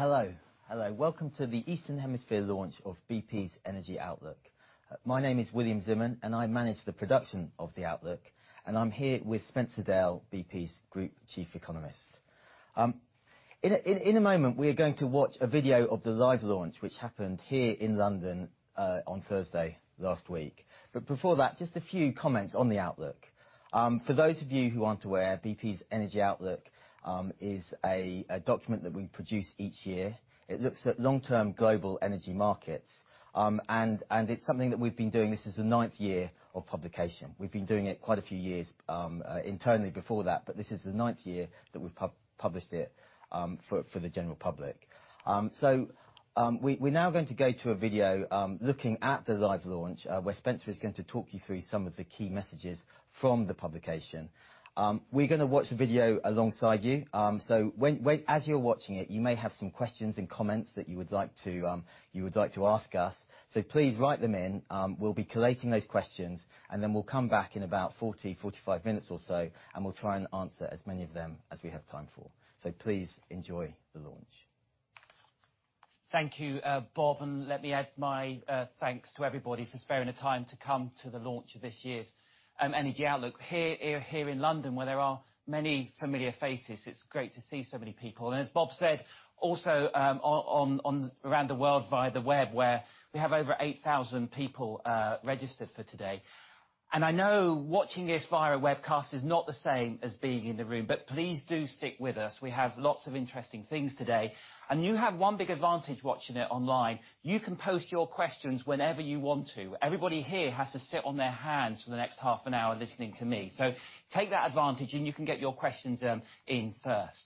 Hello. Welcome to the Eastern Hemisphere launch of BP's Energy Outlook. My name is William Zimmern, I manage the production of the outlook, and I'm here with Spencer Dale, BP's Group Chief Economist. In a moment, we are going to watch a video of the live launch, which happened here in London, on Thursday last week. Before that, just a few comments on the outlook. For those of you who aren't aware, BP's Energy Outlook is a document that we produce each year. It looks at long-term global energy markets, this is the ninth year of publication. We've been doing it quite a few years internally before that, this is the ninth year that we've published it for the general public. We're now going to go to a video looking at the live launch, where Spencer is going to talk you through some of the key messages from the publication. We're going to watch the video alongside you. As you're watching it, you may have some questions and comments that you would like to ask us. Please write them in. We'll be collating those questions, we'll come back in about 40, 45 minutes or so, and we'll try and answer as many of them as we have time for. Please enjoy the launch. Thank you, Bob, let me add my thanks to everybody for sparing the time to come to the launch of this year's Energy Outlook. Here in London, where there are many familiar faces, it's great to see so many people. As Bob said, also around the world via the web, where we have over 8,000 people registered for today. I know watching this via a webcast is not the same as being in the room, please do stick with us. We have lots of interesting things today. You have one big advantage watching it online. You can post your questions whenever you want to. Everybody here has to sit on their hands for the next half an hour listening to me. Take that advantage and you can get your questions in first.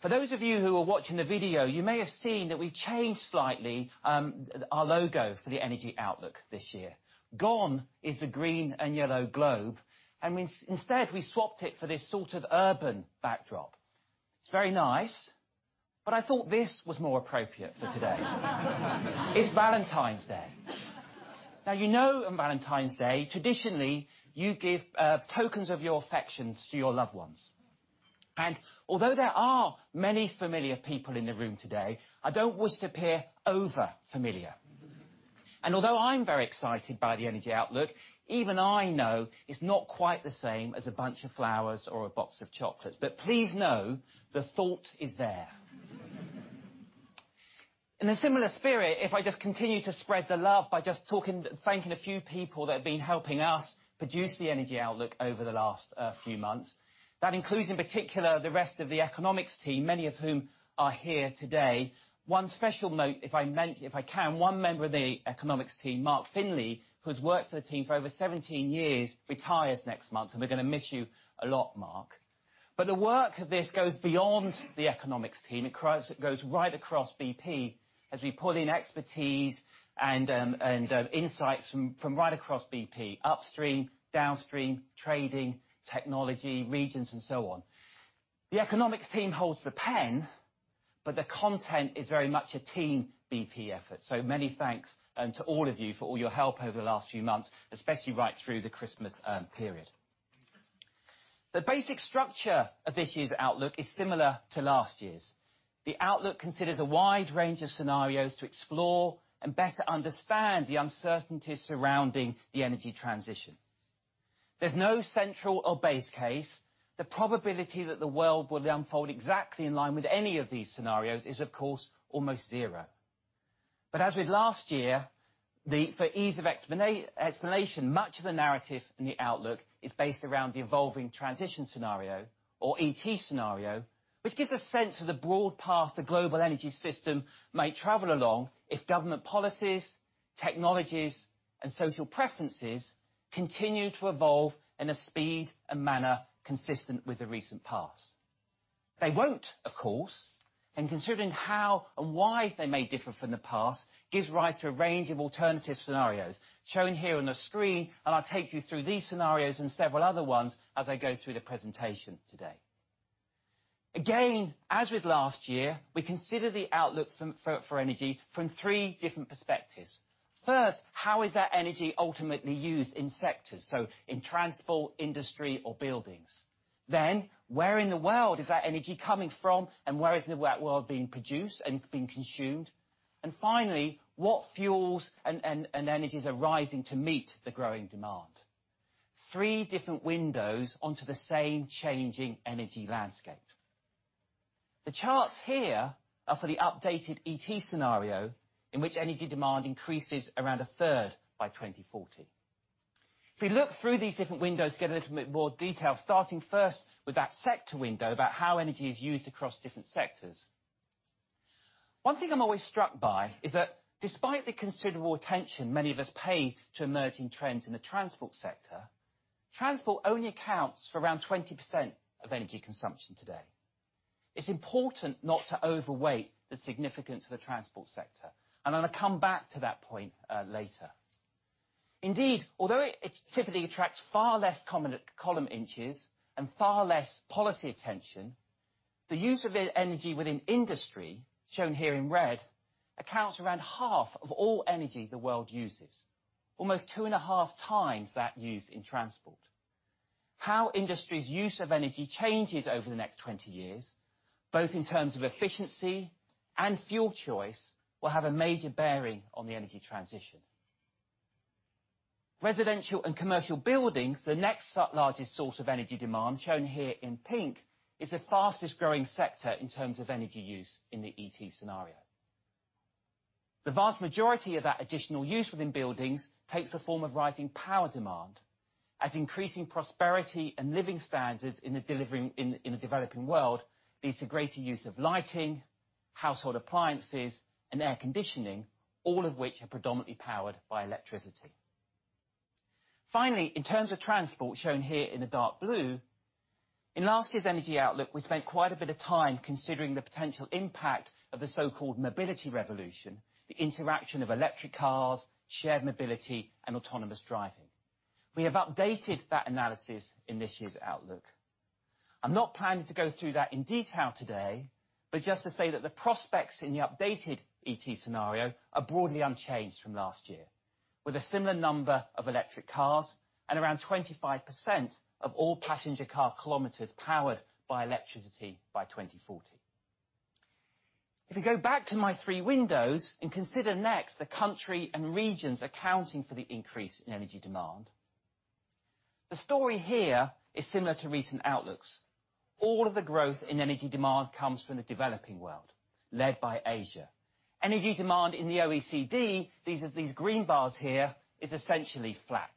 For those of you who are watching the video, you may have seen that we've changed slightly our logo for the Energy Outlook this year. Gone is the green and yellow globe, instead, we swapped it for this sort of urban backdrop. It's very nice, I thought this was more appropriate for today. It's Valentine's Day. Now, you know on Valentine's Day, traditionally, you give tokens of your affections to your loved ones. Although there are many familiar people in the room today, I don't wish to appear over-familiar. Although I'm very excited by the Energy Outlook, even I know it's not quite the same as a bunch of flowers or a box of chocolates. Please know the thought is there. In a similar spirit, if I just continue to spread the love by just thanking a few people that have been helping us produce the Energy Outlook over the last few months. That includes, in particular, the rest of the economics team, many of whom are here today. One special note, if I can, one member of the economics team, Mark Finley, who has worked for the team for over 17 years, retires next month. We're going to miss you a lot, Mark. The work of this goes beyond the economics team. It goes right across BP as we pull in expertise and insights from right across BP, upstream, downstream, trading, technology, regions, and so on. The economics team holds the pen, but the content is very much a team BP effort. Many thanks to all of you for all your help over the last few months, especially right through the Christmas period. The basic structure of this year's Outlook is similar to last year's. The Outlook considers a wide range of scenarios to explore and better understand the uncertainties surrounding the energy transition. There's no central or base case. The probability that the world will unfold exactly in line with any of these scenarios is, of course, almost zero. As with last year, for ease of explanation, much of the narrative in the Outlook is based around the Evolving Transition scenario, or ET scenario, which gives a sense of the broad path the global energy system may travel along if government policies, technologies, and social preferences continue to evolve in a speed and manner consistent with the recent past. They won't, of course, considering how and why they may differ from the past gives rise to a range of alternative scenarios shown here on the screen. I'll take you through these scenarios and several other ones as I go through the presentation today. As with last year, we consider the Outlook for energy from three different perspectives. First, how is that energy ultimately used in sectors? In transport, industry, or buildings. Where in the world is that energy coming from and where is that world being produced and being consumed? Finally, what fuels and energies are rising to meet the growing demand? Three different windows onto the same changing energy landscape. The charts here are for the updated ET scenario in which energy demand increases around a third by 2040. If we look through these different windows, get a little bit more detail, starting first with that sector window about how energy is used across different sectors. One thing I'm always struck by is that despite the considerable attention many of us pay to emerging trends in the transport sector, transport only accounts for around 20% of energy consumption today. It's important not to overweight the significance of the transport sector. I'm going to come back to that point later. Indeed, although it typically attracts far less column inches and far less policy attention, the use of energy within industry, shown here in red, accounts for around half of all energy the world uses, almost two and a half times that used in transport. How industry's use of energy changes over the next 20 years, both in terms of efficiency and fuel choice, will have a major bearing on the energy transition. Residential and commercial buildings, the next largest source of energy demand, shown here in pink, is the fastest-growing sector in terms of energy use in the ET scenario. The vast majority of that additional use within buildings takes the form of rising power demand, as increasing prosperity and living standards in the developing world leads to greater use of lighting, household appliances, and air conditioning, all of which are predominantly powered by electricity. In terms of transport, shown here in the dark blue, in last year's Energy Outlook, we spent quite a bit of time considering the potential impact of the so-called mobility revolution, the interaction of electric cars, shared mobility, and autonomous driving. We have updated that analysis in this year's outlook. I'm not planning to go through that in detail today, but just to say that the prospects in the updated ET scenario are broadly unchanged from last year, with a similar number of electric cars and around 25% of all passenger car kilometers powered by electricity by 2040. If we go back to my three windows and consider next the country and regions accounting for the increase in energy demand, the story here is similar to recent outlooks. All of the growth in energy demand comes from the developing world, led by Asia. Energy demand in the OECD, these green bars here, is essentially flat.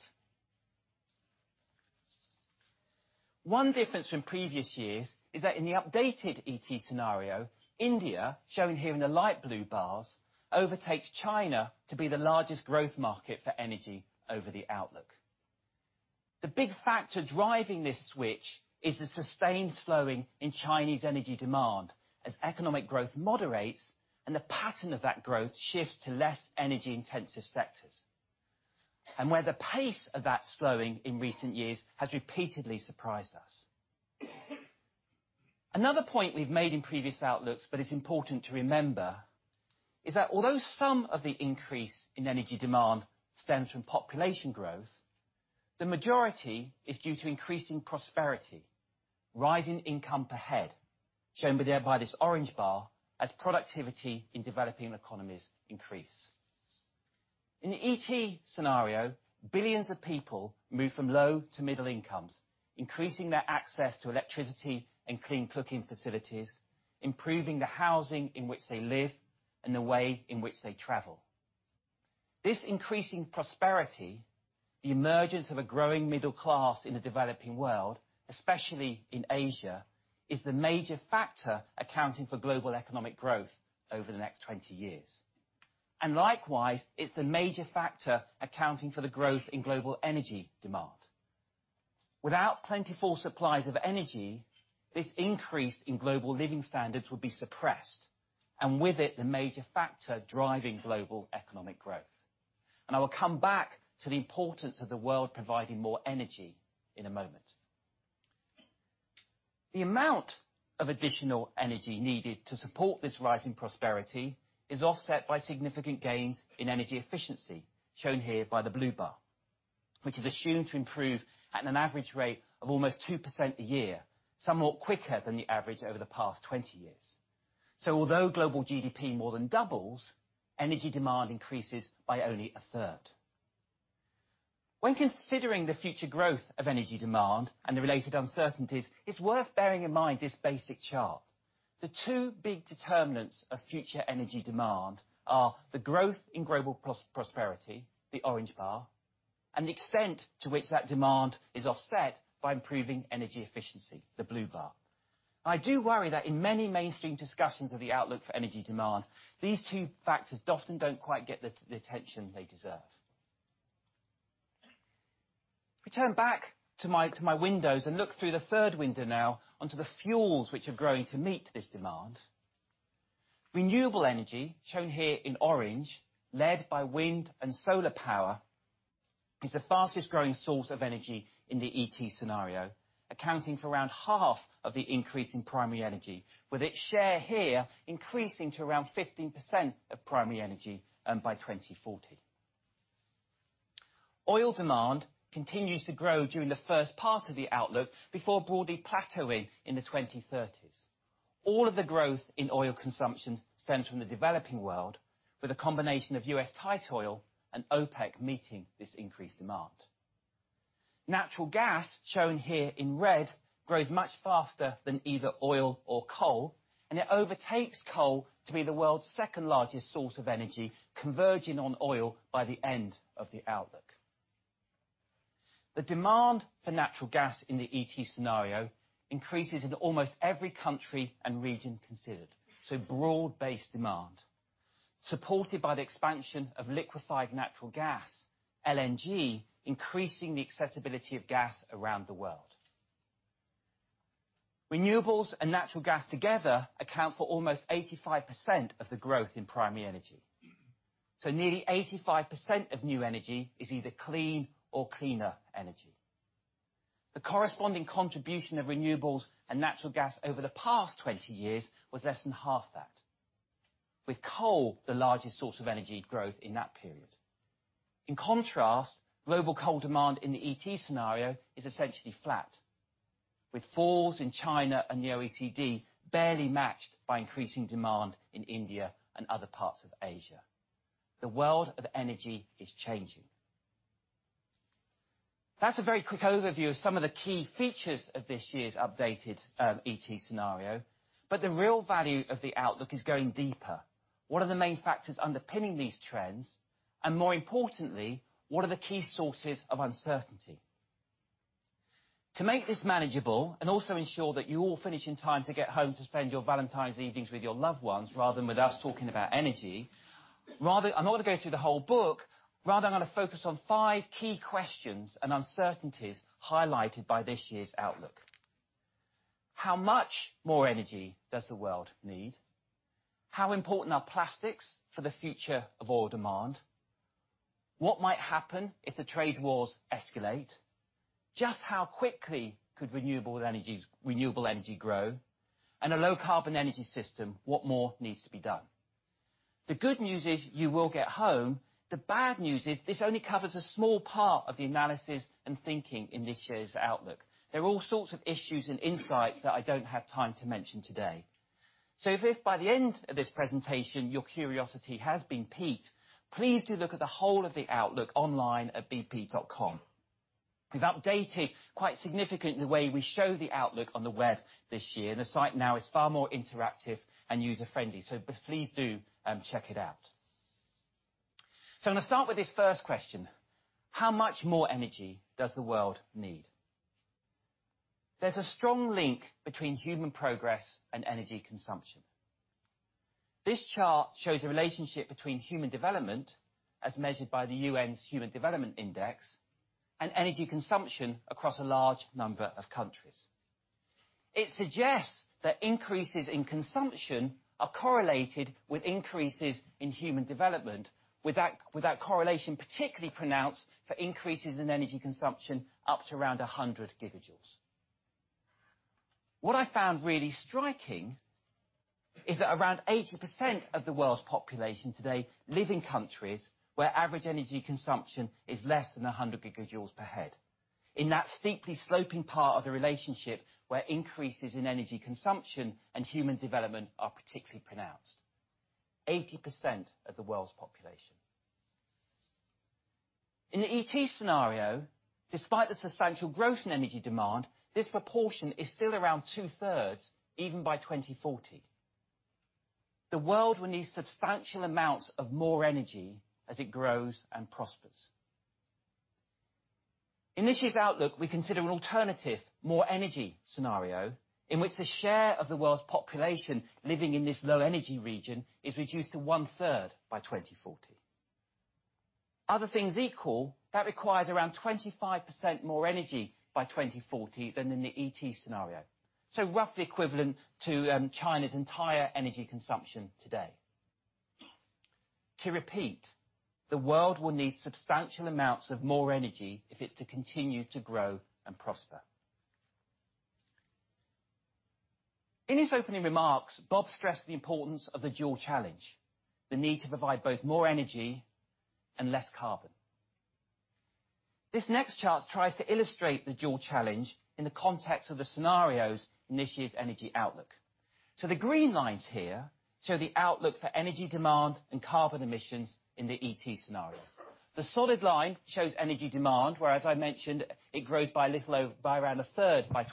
One difference from previous years is that in the updated ET scenario, India, shown here in the light blue bars, overtakes China to be the largest growth market for energy over the outlook. The big factor driving this switch is the sustained slowing in Chinese energy demand, as economic growth moderates and the pattern of that growth shifts to less energy-intensive sectors, and where the pace of that slowing in recent years has repeatedly surprised us. Another point we've made in previous outlooks, but it's important to remember, is that although some of the increase in energy demand stems from population growth, the majority is due to increasing prosperity, rising income per head, shown by this orange bar, as productivity in developing economies increase. In the ET scenario, billions of people move from low to middle incomes, increasing their access to electricity and clean cooking facilities, improving the housing in which they live, and the way in which they travel. This increasing prosperity, the emergence of a growing middle class in the developing world, especially in Asia, is the major factor accounting for global economic growth over the next 20 years. Likewise, it's the major factor accounting for the growth in global energy demand. Without plentiful supplies of energy, this increase in global living standards would be suppressed, and with it, the major factor driving global economic growth. I will come back to the importance of the world providing more energy in a moment. The amount of additional energy needed to support this rise in prosperity is offset by significant gains in energy efficiency, shown here by the blue bar, which is assumed to improve at an average rate of almost 2% a year, somewhat quicker than the average over the past 20 years. Although global GDP more than doubles, energy demand increases by only a third. When considering the future growth of energy demand and the related uncertainties, it's worth bearing in mind this basic chart. The two big determinants of future energy demand are the growth in global prosperity, the orange bar, and the extent to which that demand is offset by improving energy efficiency, the blue bar. I do worry that in many mainstream discussions of the outlook for energy demand, these two factors often don't quite get the attention they deserve. If we turn back to my windows and look through the third window now, onto the fuels which are growing to meet this demand. Renewable energy, shown here in orange, led by wind and solar power, is the fastest-growing source of energy in the ET scenario, accounting for around half of the increase in primary energy, with its share here increasing to around 15% of primary energy by 2040. Oil demand continues to grow during the first part of the outlook before broadly plateauing in the 2030s. All of the growth in oil consumption stems from the developing world, with a combination of U.S. tight oil and OPEC meeting this increased demand. Natural gas, shown here in red, grows much faster than either oil or coal, and it overtakes coal to be the world's second-largest source of energy, converging on oil by the end of the outlook. The demand for natural gas in the ET scenario increases in almost every country and region considered, broad-based demand, supported by the expansion of liquefied natural gas, LNG, increasing the accessibility of gas around the world. Renewables and natural gas together account for almost 85% of the growth in primary energy. Nearly 85% of new energy is either clean or cleaner energy. The corresponding contribution of renewables and natural gas over the past 20 years was less than half that. With coal the largest source of energy growth in that period. In contrast, global coal demand in the ET scenario is essentially flat, with falls in China and the OECD barely matched by increasing demand in India and other parts of Asia. The world of energy is changing. That's a very quick overview of some of the key features of this year's updated ET scenario, but the real value of the outlook is going deeper. What are the main factors underpinning these trends? More importantly, what are the key sources of uncertainty? To make this manageable, and also ensure that you all finish in time to get home to spend your Valentine's evenings with your loved ones rather than with us talking about energy, I'm not going to go through the whole book. Rather, I'm going to focus on five key questions and uncertainties highlighted by this year's outlook. How much more energy does the world need? How important are plastics for the future of oil demand? What might happen if the trade wars escalate? Just how quickly could renewable energy grow? A low carbon energy system, what more needs to be done? The good news is you will get home. The bad news is this only covers a small part of the analysis and thinking in this year's outlook. There are all sorts of issues and insights that I don't have time to mention today. If by the end of this presentation your curiosity has been piqued, please do look at the whole of the outlook online at bp.com. We've updated quite significantly the way we show the outlook on the web this year. The site now is far more interactive and user-friendly, please do check it out. I'm going to start with this first question, how much more energy does the world need? There's a strong link between human progress and energy consumption. This chart shows the relationship between human development, as measured by the UN's Human Development Index, and energy consumption across a large number of countries. It suggests that increases in consumption are correlated with increases in human development, with that correlation particularly pronounced for increases in energy consumption up to around 100 gigajoules. What I found really striking is that around 80% of the world's population today live in countries where average energy consumption is less than 100 gigajoules per head. In that steeply sloping part of the relationship where increases in energy consumption and human development are particularly pronounced. 80% of the world's population. In the ET scenario, despite the substantial growth in energy demand, this proportion is still around two thirds even by 2040. The world will need substantial amounts of more energy as it grows and prospers. In this year's outlook, we consider an alternative More Energy scenario in which the share of the world's population living in this low energy region is reduced to one third by 2040. Other things equal, that requires around 25% more energy by 2040 than in the ET scenario. Roughly equivalent to China's entire energy consumption today. To repeat, the world will need substantial amounts of more energy if it's to continue to grow and prosper. In his opening remarks, Bob stressed the importance of the dual challenge, the need to provide both more energy and less carbon. This next chart tries to illustrate the dual challenge in the context of the scenarios in this year's Energy Outlook. The green lines here show the outlook for energy demand and carbon emissions in the ET scenario. The solid line shows energy demand, where as I mentioned, it grows by around a third by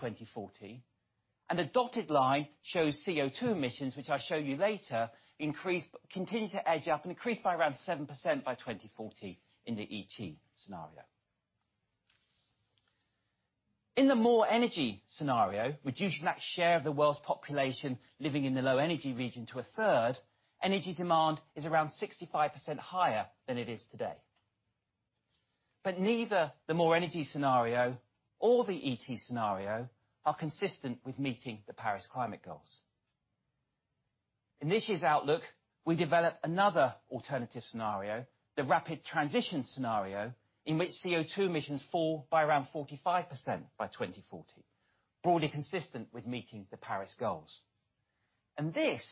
2040. The dotted line shows CO2 emissions, which I'll show you later, continue to edge up and increase by around 7% by 2040 in the ET scenario. In the More Energy scenario, reducing that share of the world's population living in the low energy region to a third, energy demand is around 65% higher than it is today. Neither the More Energy scenario or the ET scenario are consistent with meeting the Paris Climate goals. In this year's outlook, we develop another alternative scenario, the Rapid Transition scenario, in which CO2 emissions fall by around 45% by 2040, broadly consistent with meeting the Paris goals. This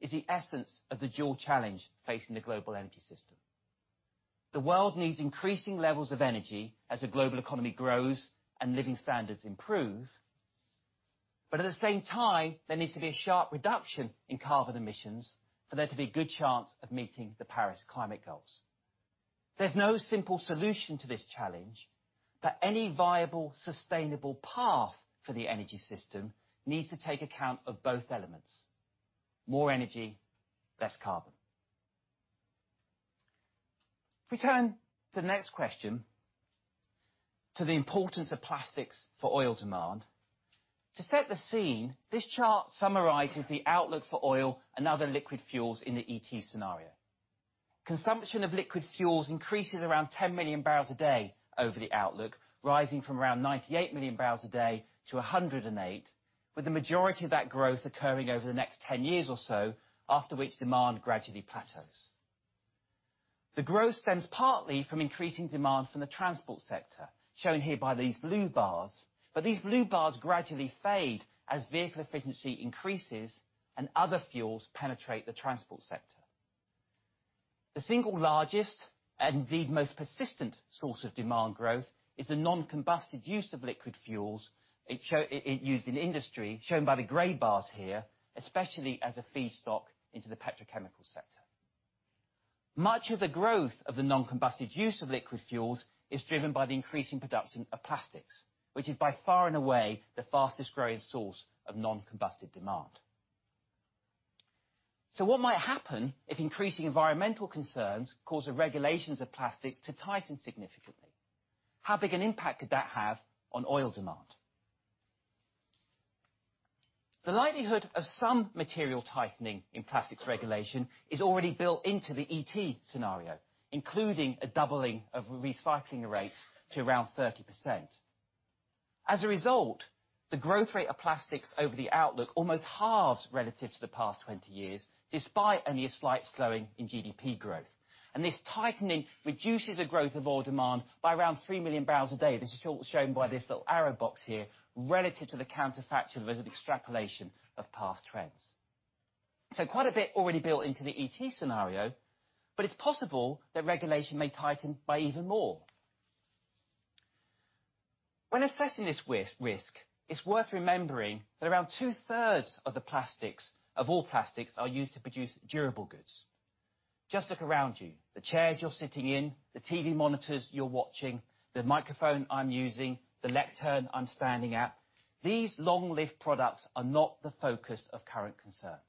is the essence of the dual challenge facing the global energy system. The world needs increasing levels of energy as the global economy grows and living standards improve. At the same time, there needs to be a sharp reduction in carbon emissions for there to be a good chance of meeting the Paris Climate goals. There's no simple solution to this challenge, but any viable, sustainable path for the energy system needs to take account of both elements, more energy, less carbon. We turn to the next question, to the importance of plastics for oil demand. To set the scene, this chart summarizes the outlook for oil and other liquid fuels in the ET scenario. Consumption of liquid fuels increases around 10 million barrels a day over the outlook, rising from around 98 million barrels a day to 108, with the majority of that growth occurring over the next 10 years or so, after which demand gradually plateaus. The growth stems partly from increasing demand from the transport sector, shown here by these blue bars. These blue bars gradually fade as vehicle efficiency increases and other fuels penetrate the transport sector. The single largest, and indeed most persistent, source of demand growth is the non-combusted use of liquid fuels, used in industry, shown by the gray bars here, especially as a feedstock into the petrochemical sector. What might happen if increasing environmental concerns cause the regulations of plastics to tighten significantly? How big an impact could that have on oil demand? The likelihood of some material tightening in plastics regulation is already built into the ET scenario, including a doubling of recycling rates to around 30%. A result, the growth rate of plastics over the outlook almost halves relative to the past 20 years, despite only a slight slowing in GDP growth. This tightening reduces the growth of oil demand by around three million barrels a day. This is shown by this little arrow box here, relative to the counterfactual, there's an extrapolation of past trends. Quite a bit already built into the ET scenario, but it's possible that regulation may tighten by even more. When assessing this risk, it's worth remembering that around two-thirds of all plastics are used to produce durable goods. Just look around you. The chairs you're sitting in, the TV monitors you're watching, the microphone I'm using, the lectern I'm standing at. These long-lived products are not the focus of current concerns.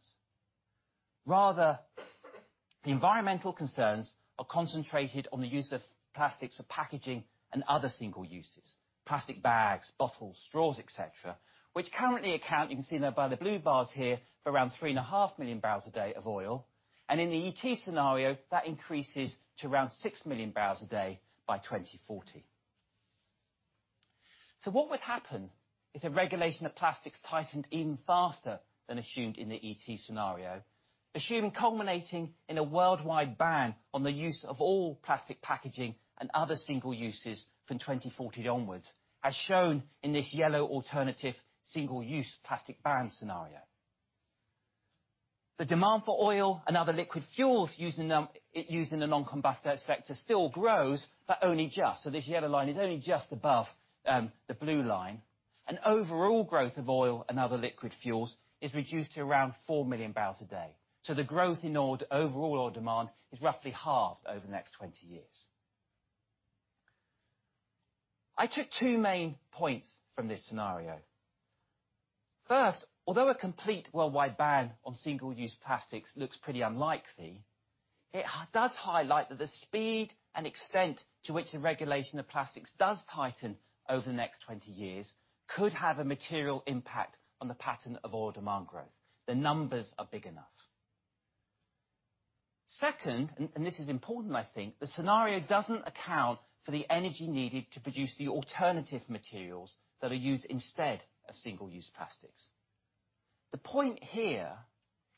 Rather, the environmental concerns are concentrated on the use of plastics for packaging and other single uses, plastic bags, bottles, straws, et cetera, which currently account, you can see there by the blue bars here, for around three and a half million barrels a day of oil. In the ET scenario, that increases to around six million barrels a day by 2040. What would happen if the regulation of plastics tightened even faster than assumed in the ET scenario? Assume culminating in a worldwide ban on the use of all plastic packaging and other single uses from 2040 onwards, as shown in this yellow alternative single-use plastics ban scenario. The demand for oil and other liquid fuels used in the non-combusted sector still grows, but only just. This yellow line is only just above the blue line. Overall growth of oil and other liquid fuels is reduced to around four million barrels a day. The growth in overall oil demand is roughly halved over the next 20 years. I took two main points from this scenario. First, although a complete worldwide ban on single-use plastics looks pretty unlikely, it does highlight that the speed and extent to which the regulation of plastics does tighten over the next 20 years could have a material impact on the pattern of oil demand growth. The numbers are big enough. Second, this is important I think, the scenario doesn't account for the energy needed to produce the alternative materials that are used instead of single-use plastics. The point here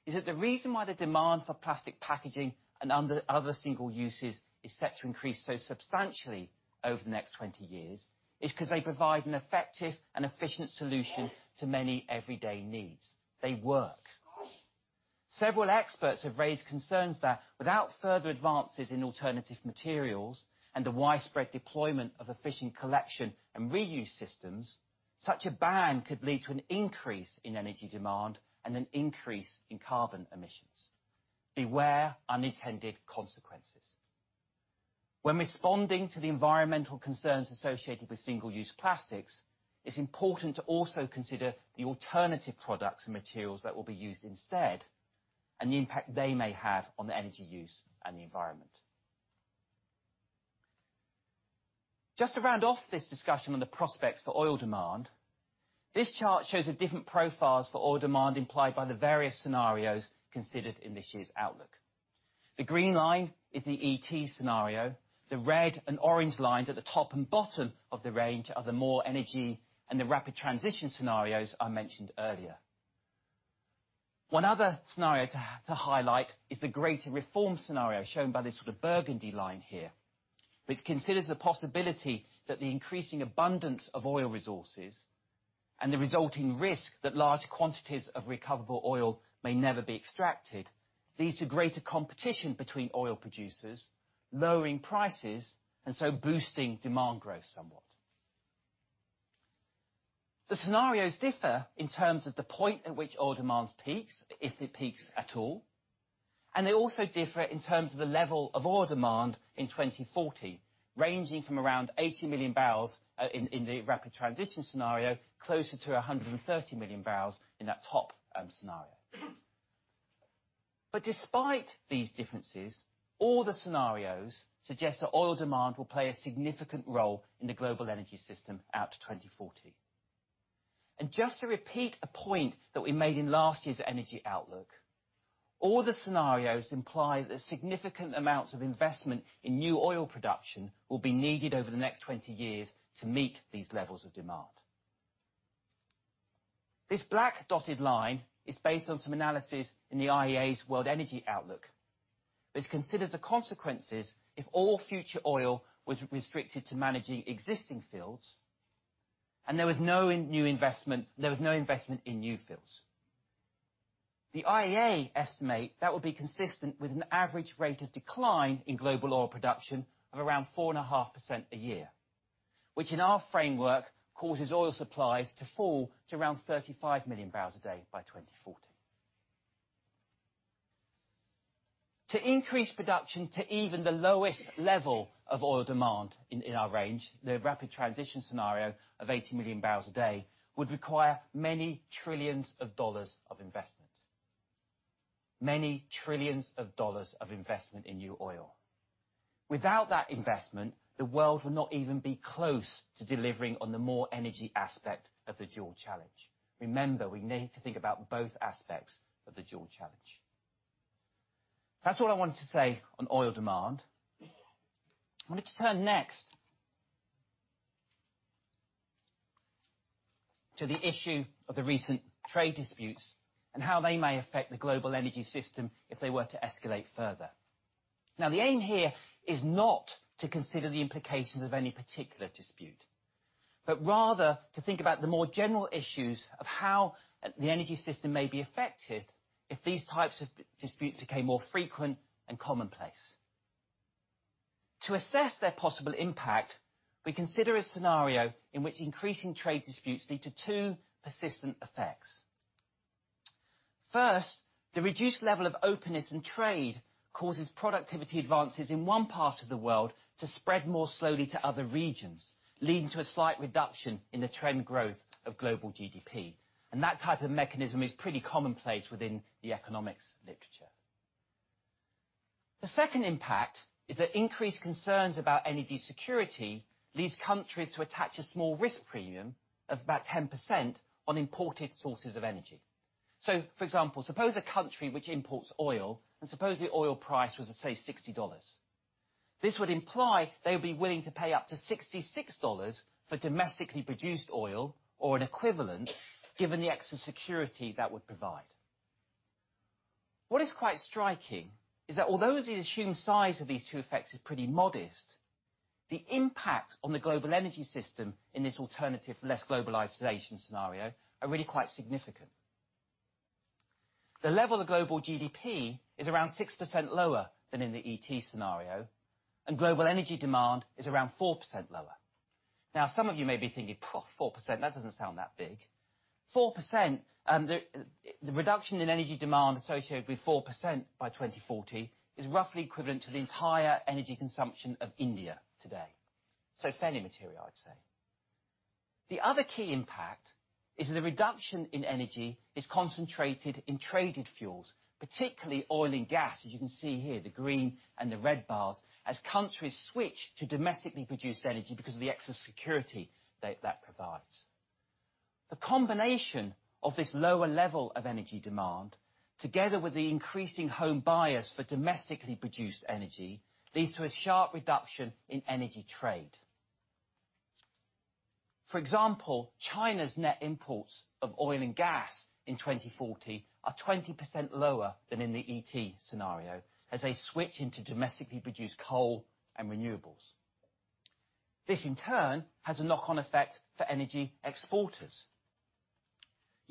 is that the reason why the demand for plastic packaging and other single uses is set to increase so substantially over the next 20 years is because they provide an effective and efficient solution to many everyday needs. They work. Several experts have raised concerns that without further advances in alternative materials and the widespread deployment of efficient collection and reuse systems, such a ban could lead to an increase in energy demand and an increase in carbon emissions. Beware unintended consequences. When responding to the environmental concerns associated with single-use plastics, it's important to also consider the alternative products and materials that will be used instead, and the impact they may have on the energy use and the environment. Just to round off this discussion on the prospects for oil demand, this chart shows the different profiles for oil demand implied by the various scenarios considered in this year's Outlook. The green line is the ET scenario. The red and orange lines at the top and bottom of the range are the More Energy scenario and the Rapid Transition scenario I mentioned earlier. One other scenario to highlight is the Greater reform scenario, shown by this sort of burgundy line here, which considers the possibility that the increasing abundance of oil resources and the resulting risk that large quantities of recoverable oil may never be extracted, leads to greater competition between oil producers, lowering prices, boosting demand growth somewhat. The scenarios differ in terms of the point at which oil demand peaks, if it peaks at all, they also differ in terms of the level of oil demand in 2040, ranging from around 80 million barrels in the Rapid Transition scenario, closer to 130 million barrels in that top scenario. Despite these differences, all the scenarios suggest that oil demand will play a significant role in the global energy system out to 2040. Just to repeat a point that we made in last year's Energy Outlook, all the scenarios imply that significant amounts of investment in new oil production will be needed over the next 20 years to meet these levels of demand. This black dotted line is based on some analysis in the IEA's World Energy Outlook, which considers the consequences if all future oil was restricted to managing existing fields, and there was no investment in new fields. The IEA estimate that would be consistent with an average rate of decline in global oil production of around 4.5% a year, which in our framework causes oil supplies to fall to around 35 million barrels a day by 2040. To increase production to even the lowest level of oil demand in our range, the Rapid Transition scenario of 80 million barrels a day would require many trillions of dollars of investment. Many trillions of dollars of investment in new oil. Without that investment, the world would not even be close to delivering on the more energy aspect of the dual challenge. Remember, we need to think about both aspects of the dual challenge. That's all I wanted to say on oil demand. I wanted to turn next to the issue of the recent trade disputes and how they may affect the global energy system if they were to escalate further. The aim here is not to consider the implications of any particular dispute, but rather to think about the more general issues of how the energy system may be affected if these types of disputes became more frequent and commonplace. To assess their possible impact, we consider a scenario in which increasing trade disputes lead to two persistent effects. First, the reduced level of openness in trade causes productivity advances in one part of the world to spread more slowly to other regions, leading to a slight reduction in the trend growth of global GDP. That type of mechanism is pretty commonplace within the economics literature. The second impact is that increased concerns about energy security leads countries to attach a small risk premium of about 10% on imported sources of energy. For example, suppose a country which imports oil, and suppose the oil price was, let's say, $60. This would imply they would be willing to pay up to $66 for domestically produced oil or an equivalent, given the extra security that would provide. What is quite striking is that although the assumed size of these two effects is pretty modest, the impact on the global energy system in this alternative Less Globalization scenario are really quite significant. The level of global GDP is around 6% lower than in the ET scenario, and global energy demand is around 4% lower. Some of you may be thinking, "4%, that doesn't sound that big." The reduction in energy demand associated with 4% by 2040 is roughly equivalent to the entire energy consumption of India today, so fairly material, I'd say. The other key impact is that the reduction in energy is concentrated in traded fuels, particularly oil and gas, as you can see here, the green and the red bars, as countries switch to domestically produced energy because of the extra security that provides. The combination of this lower level of energy demand, together with the increasing home bias for domestically produced energy, leads to a sharp reduction in energy trade. For example, China's net imports of oil and gas in 2040 are 20% lower than in the ET scenario, as they switch into domestically produced coal and renewables. This, in turn, has a knock-on effect for energy exporters.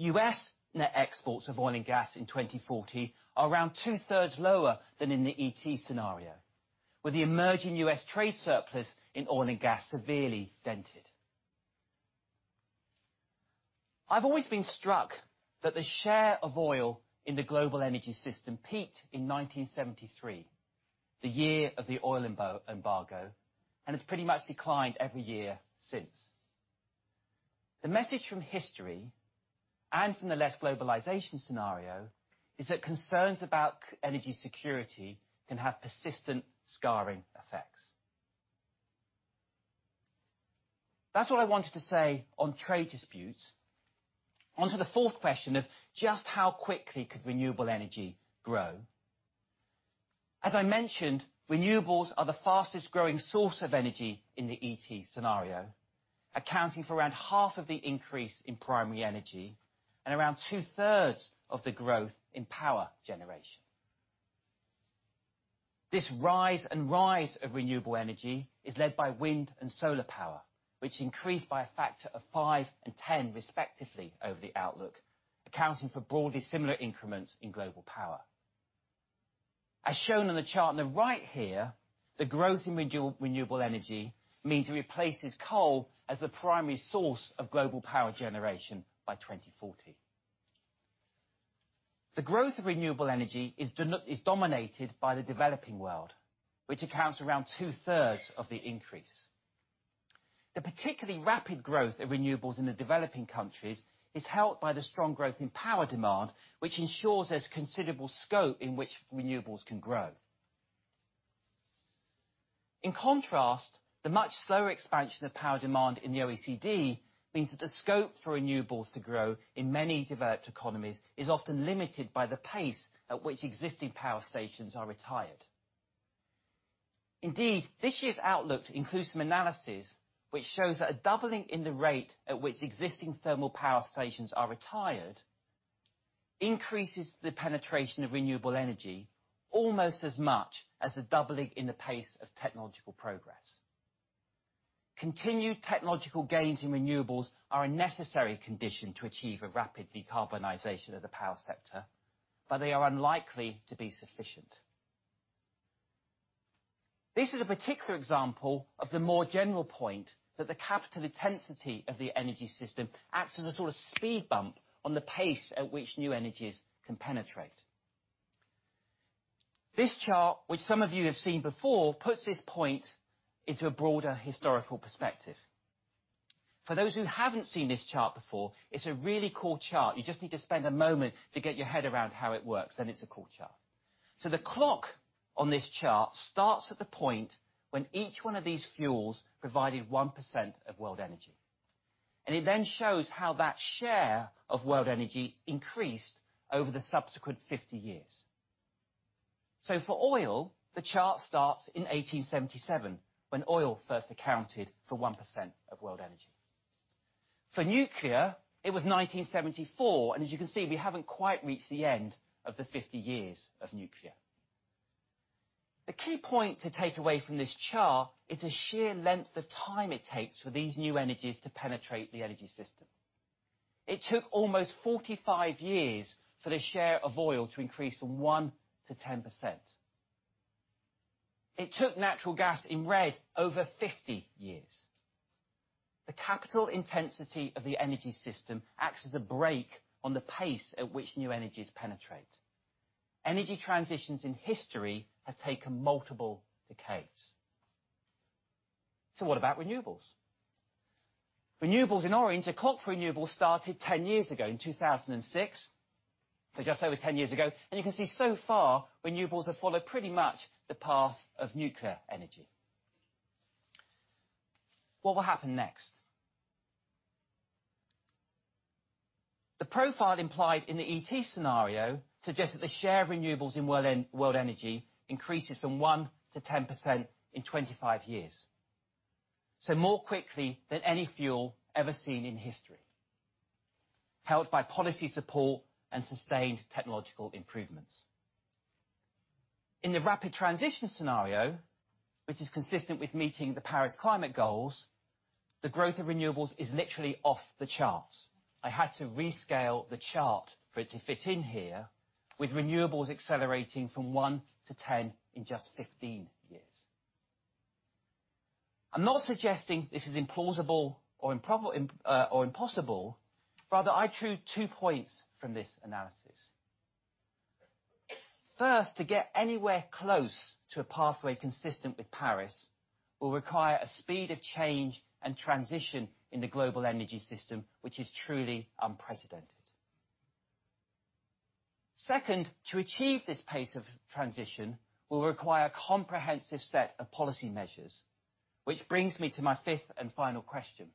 U.S. net exports of oil and gas in 2040 are around two thirds lower than in the ET scenario, with the emerging U.S. trade surplus in oil and gas severely dented. I've always been struck that the share of oil in the global energy system peaked in 1973, the year of the oil embargo, and it's pretty much declined every year since. The message from history, and from the Less Globalization scenario, is that concerns about energy security can have persistent scarring effects. That's what I wanted to say on trade disputes. Onto the fourth question of just how quickly could renewable energy grow. As I mentioned, renewables are the fastest growing source of energy in the ET scenario, accounting for around half of the increase in primary energy and around two thirds of the growth in power generation. This rise and rise of renewable energy is led by wind and solar power, which increased by a factor of five and 10, respectively, over the outlook, accounting for broadly similar increments in global power. As shown on the chart on the right here, the growth in renewable energy means it replaces coal as the primary source of global power generation by 2040. The growth of renewable energy is dominated by the developing world, which accounts around two thirds of the increase. The particularly rapid growth of renewables in the developing countries is helped by the strong growth in power demand, which ensures there's considerable scope in which renewables can grow. In contrast, the much slower expansion of power demand in the OECD means that the scope for renewables to grow in many developed economies is often limited by the pace at which existing power stations are retired. Indeed, this year's outlook includes some analysis which shows that a doubling in the rate at which existing thermal power stations are retired increases the penetration of renewable energy almost as much as a doubling in the pace of technological progress. Continued technological gains in renewables are a necessary condition to achieve a rapid decarbonization of the power sector, but they are unlikely to be sufficient. This is a particular example of the more general point that the capital intensity of the energy system acts as a sort of speed bump on the pace at which new energies can penetrate. This chart, which some of you have seen before, puts this point into a broader historical perspective. For those who haven't seen this chart before, it's a really cool chart. You just need to spend a moment to get your head around how it works, then it's a cool chart. The clock on this chart starts at the point when each one of these fuels provided 1% of world energy, and it then shows how that share of world energy increased over the subsequent 50 years. For oil, the chart starts in 1877 when oil first accounted for 1% of world energy. For nuclear, it was 1974. As you can see, we haven't quite reached the end of the 50 years of nuclear. The key point to take away from this chart is the sheer length of time it takes for these new energies to penetrate the energy system. It took almost 45 years for the share of oil to increase from 1% to 10%. It took natural gas, in red, over 50 years. The capital intensity of the energy system acts as a brake on the pace at which new energies penetrate. Energy transitions in history have taken multiple decades. What about renewables? Renewables in orange. The clock for renewables started 10 years ago in 2006, so just over 10 years ago, and you can see so far renewables have followed pretty much the path of nuclear energy. What will happen next? The profile implied in the ET scenario suggests that the share of renewables in world energy increases from 1% to 10% in 25 years, so more quickly than any fuel ever seen in history, helped by policy support and sustained technological improvements. In the Rapid Transition scenario, which is consistent with meeting the Paris climate goals, the growth of renewables is literally off the charts. I had to rescale the chart for it to fit in here, with renewables accelerating from 1 to 10 in just 15 years. I'm not suggesting this is implausible or impossible. Rather, I drew two points from this analysis. First, to get anywhere close to a pathway consistent with Paris will require a speed of change and transition in the global energy system, which is truly unprecedented. Second, to achieve this pace of transition will require a comprehensive set of policy measures. Which brings me to my fifth and final question.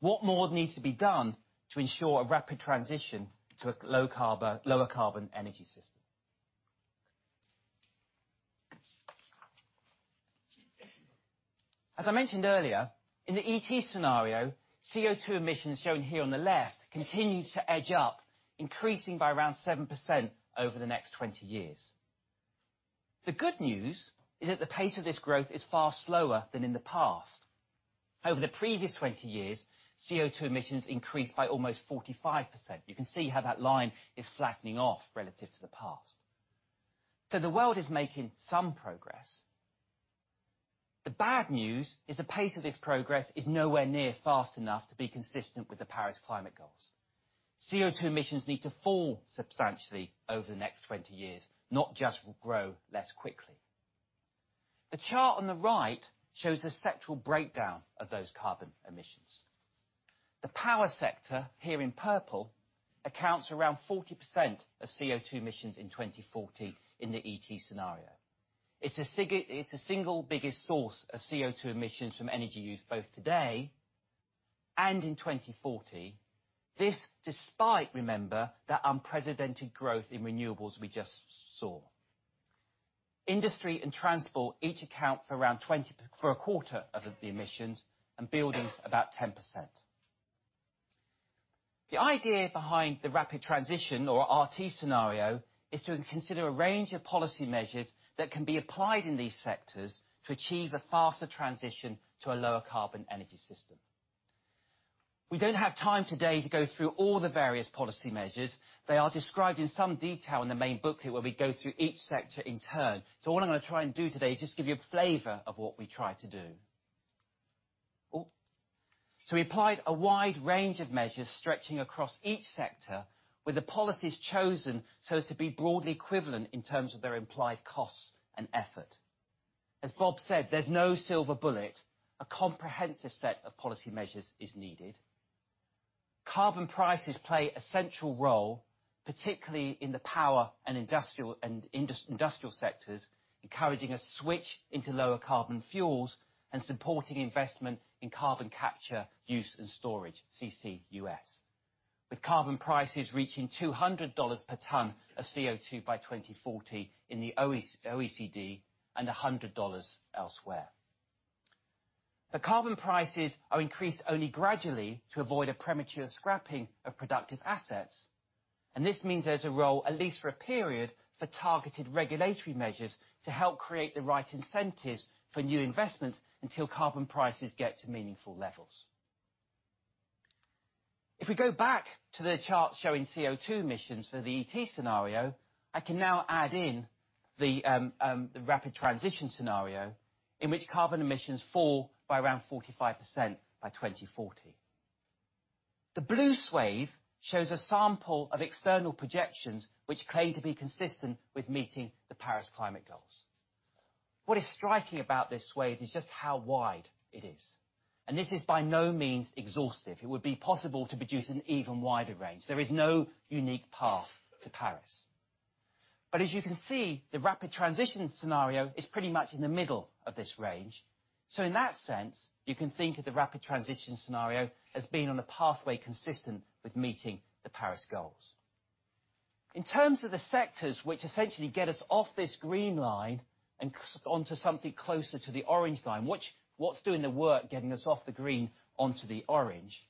What more needs to be done to ensure a rapid transition to a lower carbon energy system? As I mentioned earlier, in the ET scenario, CO2 emissions shown here on the left continue to edge up, increasing by around 7% over the next 20 years. The good news is that the pace of this growth is far slower than in the past. Over the previous 20 years, CO2 emissions increased by almost 45%. You can see how that line is flattening off relative to the past. The world is making some progress. The bad news is the pace of this progress is nowhere near fast enough to be consistent with the Paris climate goals. CO2 emissions need to fall substantially over the next 20 years, not just grow less quickly. The chart on the right shows a sectoral breakdown of those carbon emissions. The power sector, here in purple, accounts for around 40% of CO2 emissions in 2040 in the ET scenario. It's the single biggest source of CO2 emissions from energy use both today and in 2040. This despite, remember, that unprecedented growth in renewables we just saw. Industry and transport each account for a quarter of the emissions, and buildings about 10%. The idea behind the Rapid Transition, or RT scenario, is to consider a range of policy measures that can be applied in these sectors to achieve a faster transition to a lower carbon energy system. We don't have time today to go through all the various policy measures. They are described in some detail in the main booklet, where we go through each sector in turn. What I'm going to try and do today is just give you a flavor of what we try to do. We applied a wide range of measures stretching across each sector, with the policies chosen so as to be broadly equivalent in terms of their implied costs and effort. As Bob said, there's no silver bullet. A comprehensive set of policy measures is needed. Carbon prices play a central role, particularly in the power and industrial sectors, encouraging a switch into lower carbon fuels and supporting investment in carbon capture, use and storage, CCUS. With carbon prices reaching $200 per ton of CO2 by 2040 in the OECD, and $100 elsewhere. The carbon prices are increased only gradually to avoid a premature scrapping of productive assets, this means there's a role, at least for a period, for targeted regulatory measures to help create the right incentives for new investments until carbon prices get to meaningful levels. If we go back to the chart showing CO2 emissions for the ET scenario, I can now add in the Rapid Transition scenario in which carbon emissions fall by around 45% by 2040. The blue swath shows a sample of external projections, which claim to be consistent with meeting the Paris Climate goals. What is striking about this swath is just how wide it is, this is by no means exhaustive. It would be possible to produce an even wider range. There is no unique path to Paris. As you can see, the Rapid Transition scenario is pretty much in the middle of this range. In that sense, you can think of the Rapid Transition scenario as being on a pathway consistent with meeting the Paris goals. In terms of the sectors which essentially get us off this green line and onto something closer to the orange line, what's doing the work getting us off the green onto the orange?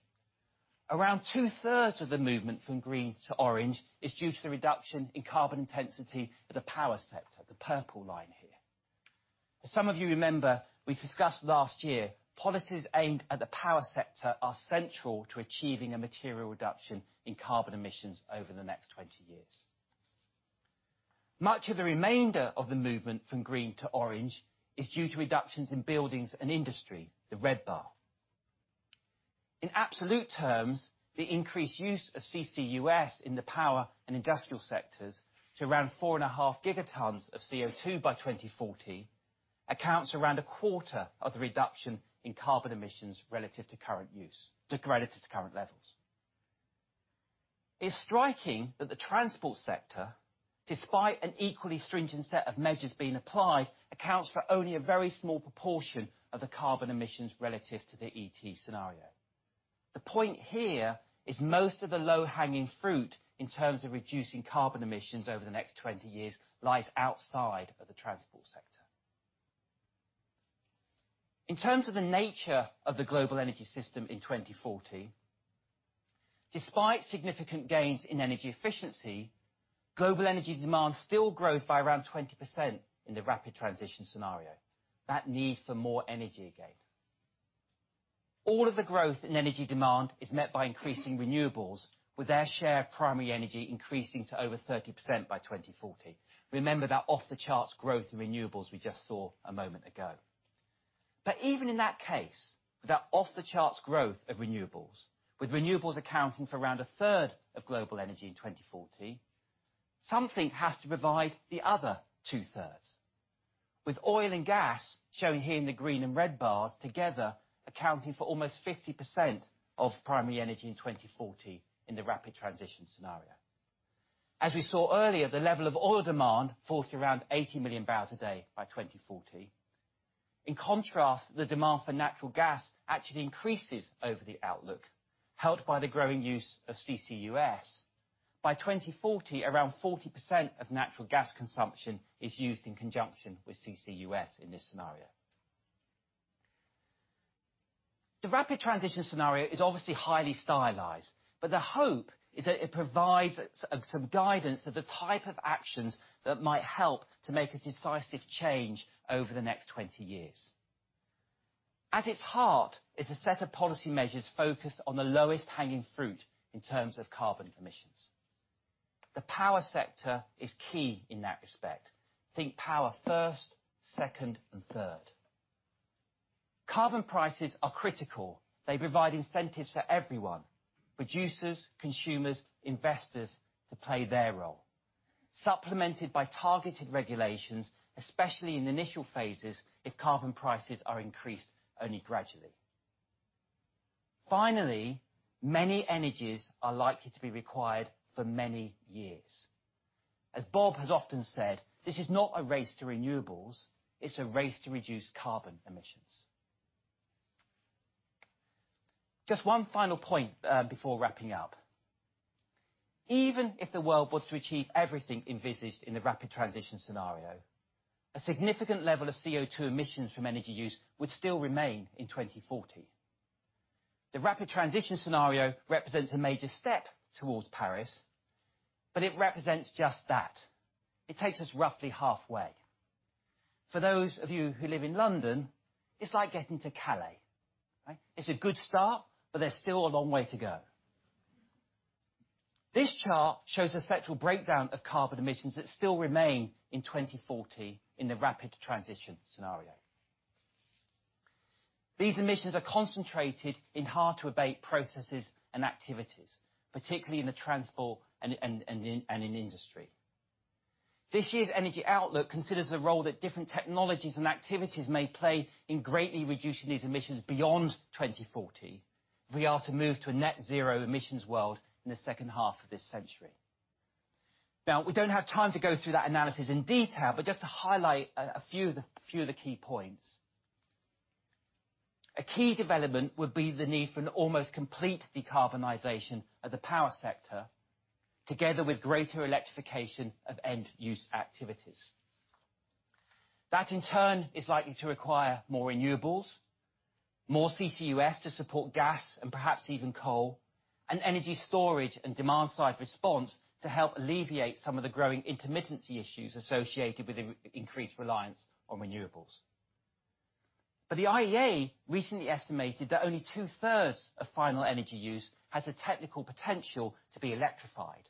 Around two-thirds of the movement from green to orange is due to the reduction in carbon intensity of the power sector, the purple line here. As some of you remember, we discussed last year, policies aimed at the power sector are central to achieving a material reduction in carbon emissions over the next 20 years. Much of the remainder of the movement from green to orange is due to reductions in buildings and industry, the red bar. In absolute terms, the increased use of CCUS in the power and industrial sectors to around four and a half gigatons of CO2 by 2040 accounts for around a quarter of the reduction in carbon emissions relative to current levels. It's striking that the transport sector, despite an equally stringent set of measures being applied, accounts for only a very small proportion of the carbon emissions relative to the ET scenario. The point here is most of the low-hanging fruit, in terms of reducing carbon emissions over the next 20 years, lies outside of the transport sector. In terms of the nature of the global energy system in 2040, despite significant gains in energy efficiency, global energy demand still grows by around 20% in the Rapid Transition scenario. That need for more energy again. All of the growth in energy demand is met by increasing renewables, with their share of primary energy increasing to over 30% by 2040. Remember that off-the-charts growth in renewables we just saw a moment ago. Even in that case, with that off-the-charts growth of renewables, with renewables accounting for around a third of global energy in 2040, something has to provide the other two-thirds. With oil and gas, shown here in the green and red bars, together accounting for almost 50% of primary energy in 2040 in the Rapid Transition scenario. As we saw earlier, the level of oil demand falls to around 80 million barrels a day by 2040. In contrast, the demand for natural gas actually increases over the outlook, helped by the growing use of CCUS. By 2040, around 40% of natural gas consumption is used in conjunction with CCUS in this scenario. The Rapid Transition scenario is obviously highly stylized, the hope is that it provides some guidance of the type of actions that might help to make a decisive change over the next 20 years. At its heart is a set of policy measures focused on the lowest-hanging fruit in terms of carbon emissions. The power sector is key in that respect. Think power first, second, and third. Carbon prices are critical. They provide incentives for everyone, producers, consumers, investors, to play their role, supplemented by targeted regulations, especially in the initial phases if carbon prices are increased only gradually. Finally, many energies are likely to be required for many years. As Bob has often said, this is not a race to renewables, it's a race to reduce carbon emissions. Just one final point before wrapping up. Even if the world was to achieve everything envisaged in the Rapid Transition scenario, a significant level of CO2 emissions from energy use would still remain in 2040. The Rapid Transition scenario represents a major step towards Paris, it represents just that. It takes us roughly halfway. For those of you who live in London, it's like getting to Calais. It's a good start, there's still a long way to go. This chart shows the sectoral breakdown of carbon emissions that still remain in 2040 in the Rapid Transition scenario. These emissions are concentrated in hard-to-abate processes and activities, particularly in the transport and in industry. This year's Energy Outlook considers the role that different technologies and activities may play in greatly reducing these emissions beyond 2040 if we are to move to a net zero emissions world in the second half of this century. We don't have time to go through that analysis in detail, just to highlight a few of the key points. A key development would be the need for an almost complete decarbonization of the power sector, together with greater electrification of end-use activities. That, in turn, is likely to require more renewables, more CCUS to support gas and perhaps even coal, and energy storage and demand-side response to help alleviate some of the growing intermittency issues associated with increased reliance on renewables. The IEA recently estimated that only two-thirds of final energy use has the technical potential to be electrified,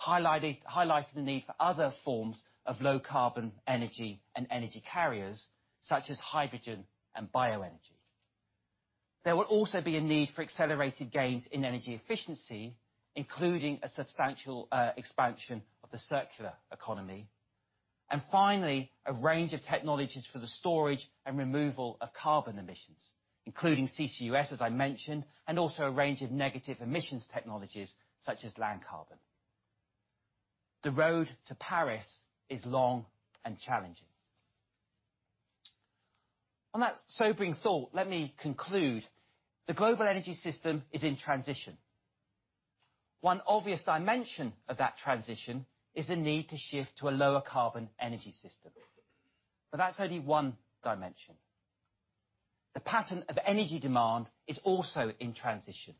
highlighting the need for other forms of low carbon energy and energy carriers, such as hydrogen and bioenergy. There will also be a need for accelerated gains in energy efficiency, including a substantial expansion of the circular economy. Finally, a range of technologies for the storage and removal of carbon emissions, including CCUS, as I mentioned, and also a range of negative emissions technologies such as land carbon. The road to Paris is long and challenging. On that sobering thought, let me conclude. The global energy system is in transition. One obvious dimension of that transition is the need to shift to a lower carbon energy system. That's only one dimension. The pattern of energy demand is also in transition,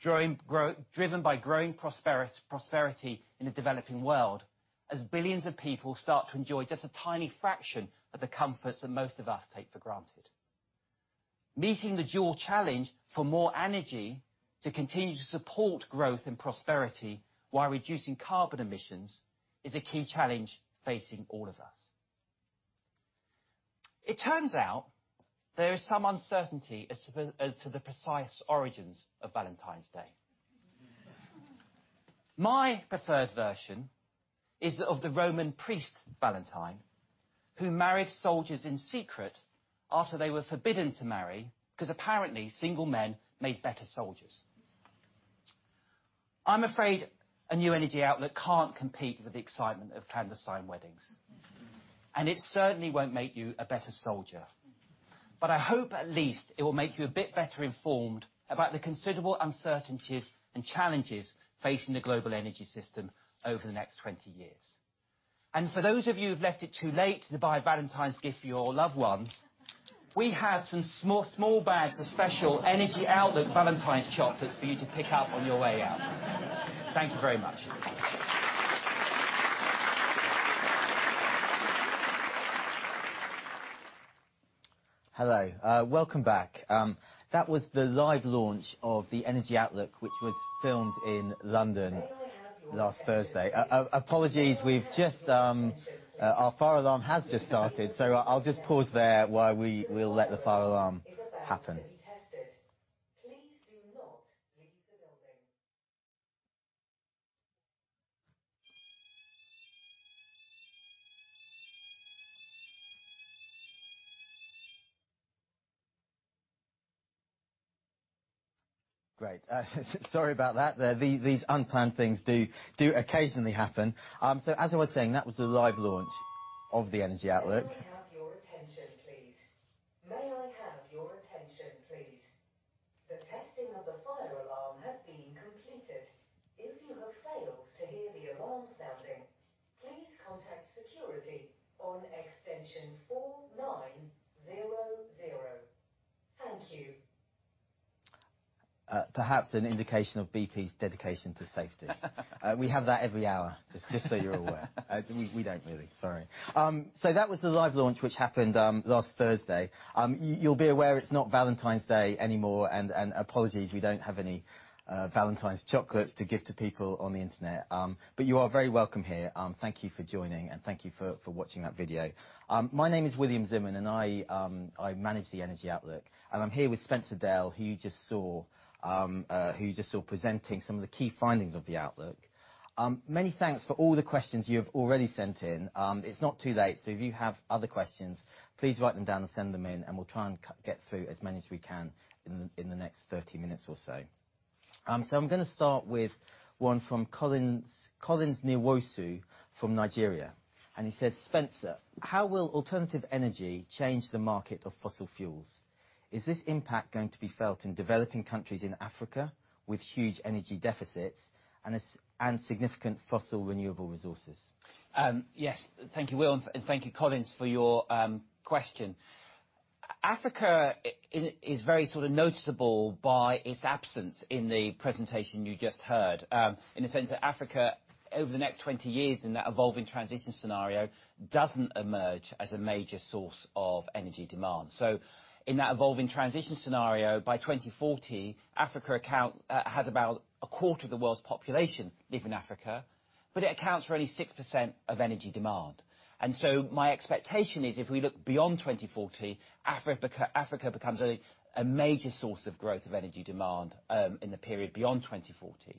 driven by growing prosperity in the developing world, as billions of people start to enjoy just a tiny fraction of the comforts that most of us take for granted. Meeting the dual challenge for more energy to continue to support growth and prosperity while reducing carbon emissions is a key challenge facing all of us. It turns out there is some uncertainty as to the precise origins of Valentine's Day. My preferred version is that of the Roman priest, Valentine, who married soldiers in secret after they were forbidden to marry, because apparently single men made better soldiers. I'm afraid an Energy Outlook can't compete with the excitement of clandestine weddings. It certainly won't make you a better soldier. I hope at least it will make you a bit better informed about the considerable uncertainties and challenges facing the global energy system over the next 20 years. For those of you who've left it too late to buy a Valentine's gift for your loved ones, we have some small bags of special Energy Outlook Valentine's chocolates for you to pick up on your way out. Thank you very much. Hello. Welcome back. That was the live launch of the Energy Outlook, which was filmed in London last Thursday. May I have your attention please. Apologies, our fire alarm has just started, I'll just pause there while we let the fire alarm happen. The fire alarm is about to be tested. Please do not leave the building. Great. Sorry about that. These unplanned things do occasionally happen. As I was saying, that was the live launch of the Energy Outlook. May I have your attention please. May I have your attention please. The testing of the fire alarm has been completed. If you have failed to hear the alarm sounding, please contact security on extension 4900. Thank you. Perhaps an indication of BP's dedication to safety. We have that every hour, just so you're aware. We don't really. Sorry. That was the live launch, which happened last Thursday. You'll be aware it's not Valentine's Day anymore, and apologies, we don't have any Valentine's chocolates to give to people on the internet. You are very welcome here. Thank you for joining, and thank you for watching that video. My name is William Zimmern, and I manage the Energy Outlook. I'm here with Spencer Dale, who you just saw presenting some of the key findings of the outlook. Many thanks for all the questions you have already sent in. It's not too late, if you have other questions, please write them down and send them in, and we'll try and get through as many as we can in the next 30 minutes or so. I'm going to start with one from Collins Nwosu from Nigeria. He says, "Spencer, how will alternative energy change the market of fossil fuels? Is this impact going to be felt in developing countries in Africa with huge energy deficits and significant fossil renewable resources? Yes. Thank you, Will, and thank you, Collins, for your question. Africa is very sort of noticeable by its absence in the presentation you just heard. In the sense that Africa, over the next 20 years, in that Evolving Transition scenario, doesn't emerge as a major source of energy demand. My expectation is, if we look beyond 2040, Africa becomes a major source of growth of energy demand in the period beyond 2040.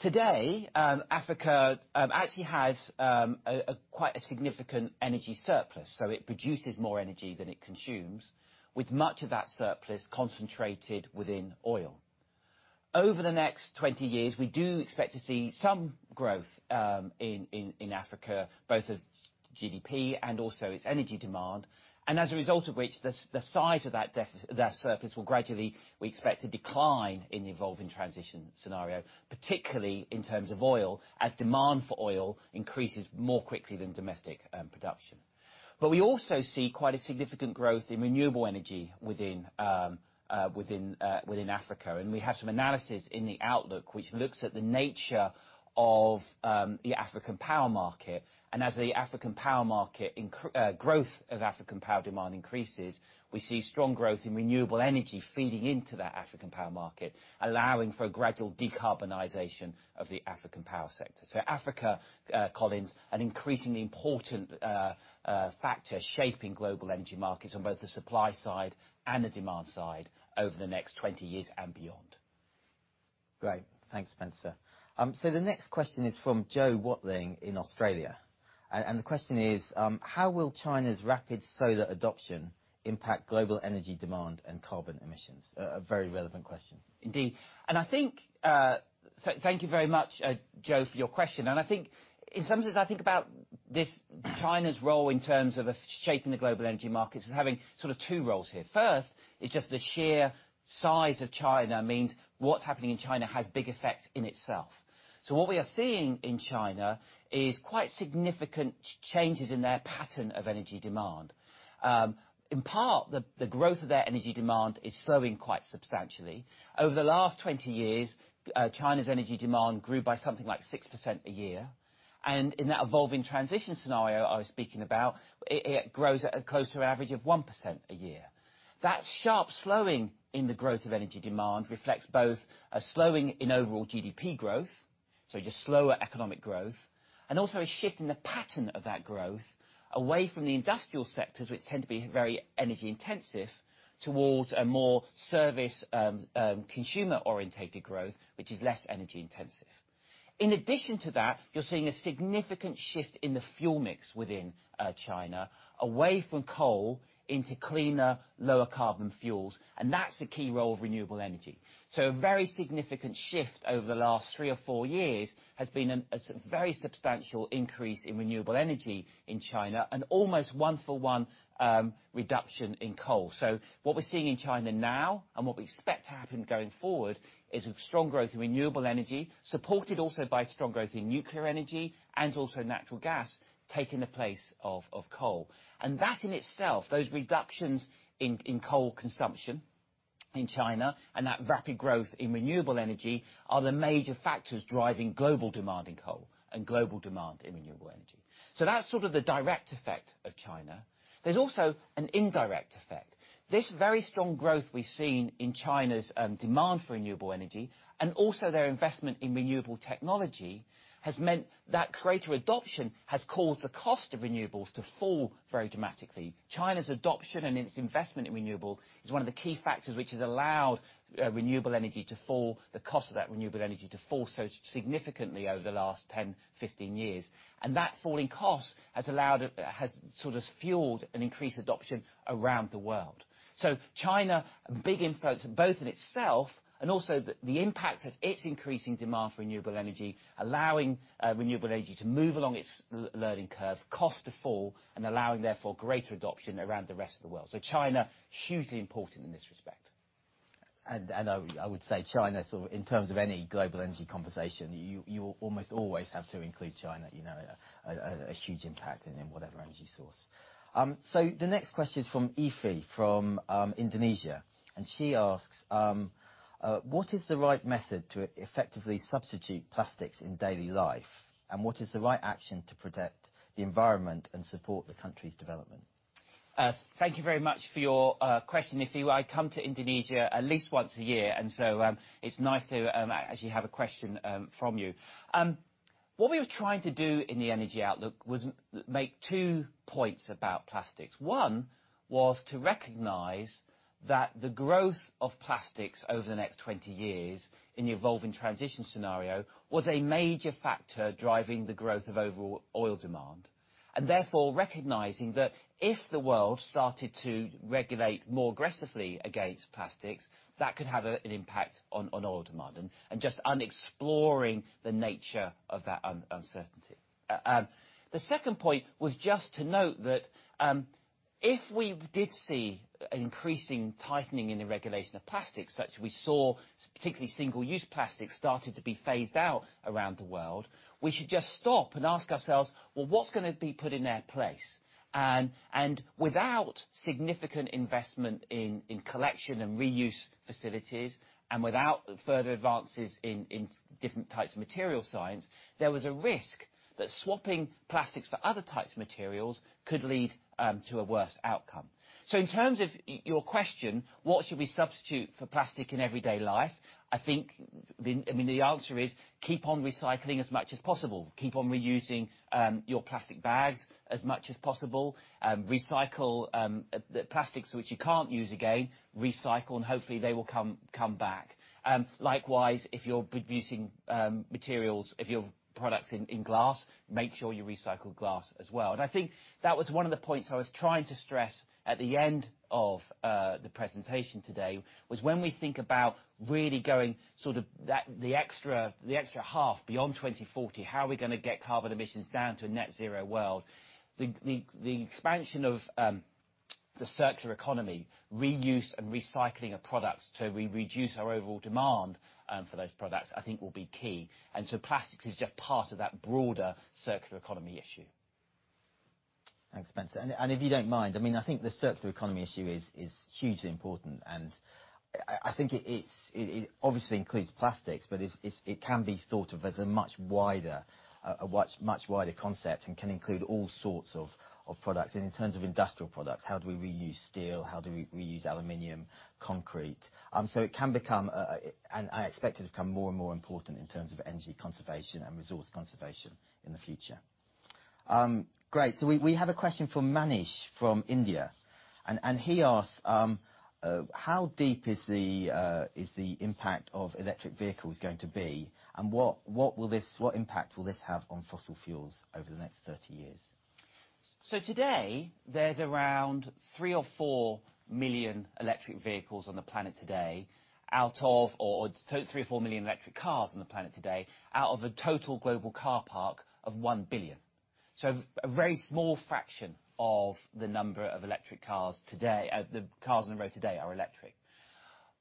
Today, Africa actually has quite a significant energy surplus. It produces more energy than it consumes, with much of that surplus concentrated within oil. Over the next 20 years, we do expect to see some growth in Africa, both as GDP and also its energy demand. As a result of which, the size of that surplus will gradually, we expect, to decline in the Evolving Transition scenario, particularly in terms of oil, as demand for oil increases more quickly than domestic production. We also see quite a significant growth in renewable energy within Africa. We have some analysis in the outlook, which looks at the nature of the African power market. As growth of African power demand increases, we see strong growth in renewable energy feeding into that African power market, allowing for a gradual decarbonization of the African power sector. Africa, Collins, an increasingly important factor shaping global energy markets on both the supply side and the demand side over the next 20 years and beyond. Great. Thanks, Spencer. The next question is from Joe Watling in Australia. The question is, "How will China's rapid solar adoption impact global energy demand and carbon emissions?" A very relevant question. Indeed. Thank you very much, Joe, for your question. In some senses, I think about China's role in terms of shaping the global energy markets as having sort of two roles here. First is just the sheer size of China means what's happening in China has big effects in itself. What we are seeing in China is quite significant changes in their pattern of energy demand. In part, the growth of their energy demand is slowing quite substantially. Over the last 20 years, China's energy demand grew by something like 6% a year. In that Evolving Transition scenario I was speaking about, it grows at closer average of 1% a year. That sharp slowing in the growth of energy demand reflects both a slowing in overall GDP growth, just slower economic growth, and also a shift in the pattern of that growth away from the industrial sectors, which tend to be very energy intensive, towards a more service, consumer-oriented growth, which is less energy intensive. In addition to that, you're seeing a significant shift in the fuel mix within China, away from coal into cleaner, lower carbon fuels, and that's the key role of renewable energy. A very significant shift over the last three or four years has been a very substantial increase in renewable energy in China and almost one for one reduction in coal. What we're seeing in China now and what we expect to happen going forward is a strong growth in renewable energy, supported also by strong growth in nuclear energy and also natural gas taking the place of coal. That in itself, those reductions in coal consumption in China and that rapid growth in renewable energy, are the major factors driving global demand in coal and global demand in renewable energy. That's sort of the direct effect of China. There's also an indirect effect. This very strong growth we've seen in China's demand for renewable energy and also their investment in renewable technology has meant that greater adoption has caused the cost of renewables to fall very dramatically. China's adoption and its investment in renewable is one of the key factors which has allowed renewable energy to fall, the cost of that renewable energy to fall so significantly over the last 10, 15 years. That falling cost has sort of fueled an increased adoption around the world. China, a big influence both in itself and also the impact of its increasing demand for renewable energy, allowing renewable energy to move along its learning curve, cost to fall, and allowing, therefore, greater adoption around the rest of the world. China, hugely important in this respect. I would say China, in terms of any global energy conversation, you almost always have to include China. A huge impact in whatever energy source. The next question is from Ify from Indonesia. She asks, "What is the right method to effectively substitute plastics in daily life? And what is the right action to protect the environment and support the country's development? Thank you very much for your question, Ify. I come to Indonesia at least once a year, it's nice to actually have a question from you. What we were trying to do in the Energy Outlook was make two points about plastics. One was to recognize that the growth of plastics over the next 20 years in the Evolving Transition scenario was a major factor driving the growth of overall oil demand. Recognizing that if the world started to regulate more aggressively against plastics, that could have an impact on oil demand and just exploring the nature of that uncertainty. The second point was just to note that if we did see an increasing tightening in the regulation of plastics, such we saw particularly single-use plastic started to be phased out around the world, we should just stop and ask ourselves, "Well, what's going to be put in their place?" Without significant investment in collection and reuse facilities and without further advances in different types of material science, there was a risk that swapping plastics for other types of materials could lead to a worse outcome. In terms of your question, what should we substitute for plastic in everyday life? I think the answer is keep on recycling as much as possible. Keep on reusing your plastic bags as much as possible. Recycle the plastics which you can't use again. Recycle and hopefully they will come back. Likewise, if you're producing materials, if your product's in glass, make sure you recycle glass as well. I think that was one of the points I was trying to stress at the end of the presentation today, was when we think about really going sort of the extra half beyond 2040, how are we going to get carbon emissions down to a net zero world? The expansion of the circular economy, reuse and recycling of products to reduce our overall demand for those products, I think will be key. Plastics is just part of that broader circular economy issue. Thanks, Spencer. If you don't mind, I think the circular economy issue is hugely important. I think it obviously includes plastics, but it can be thought of as a much wider concept and can include all sorts of products. In terms of industrial products, how do we reuse steel? How do we reuse aluminum, concrete? It can become, and I expect it to become more and more important in terms of energy conservation and resource conservation in the future. Great. We have a question from Manish from India, he asks, "How deep is the impact of electric vehicles going to be, and what impact will this have on fossil fuels over the next 30 years? Today, there's around 3 or 4 million electric vehicles on the planet today, or 3 or 4 million electric cars on the planet today, out of a total global car park of 1 billion. A very small fraction of the number of electric cars on the road today are electric.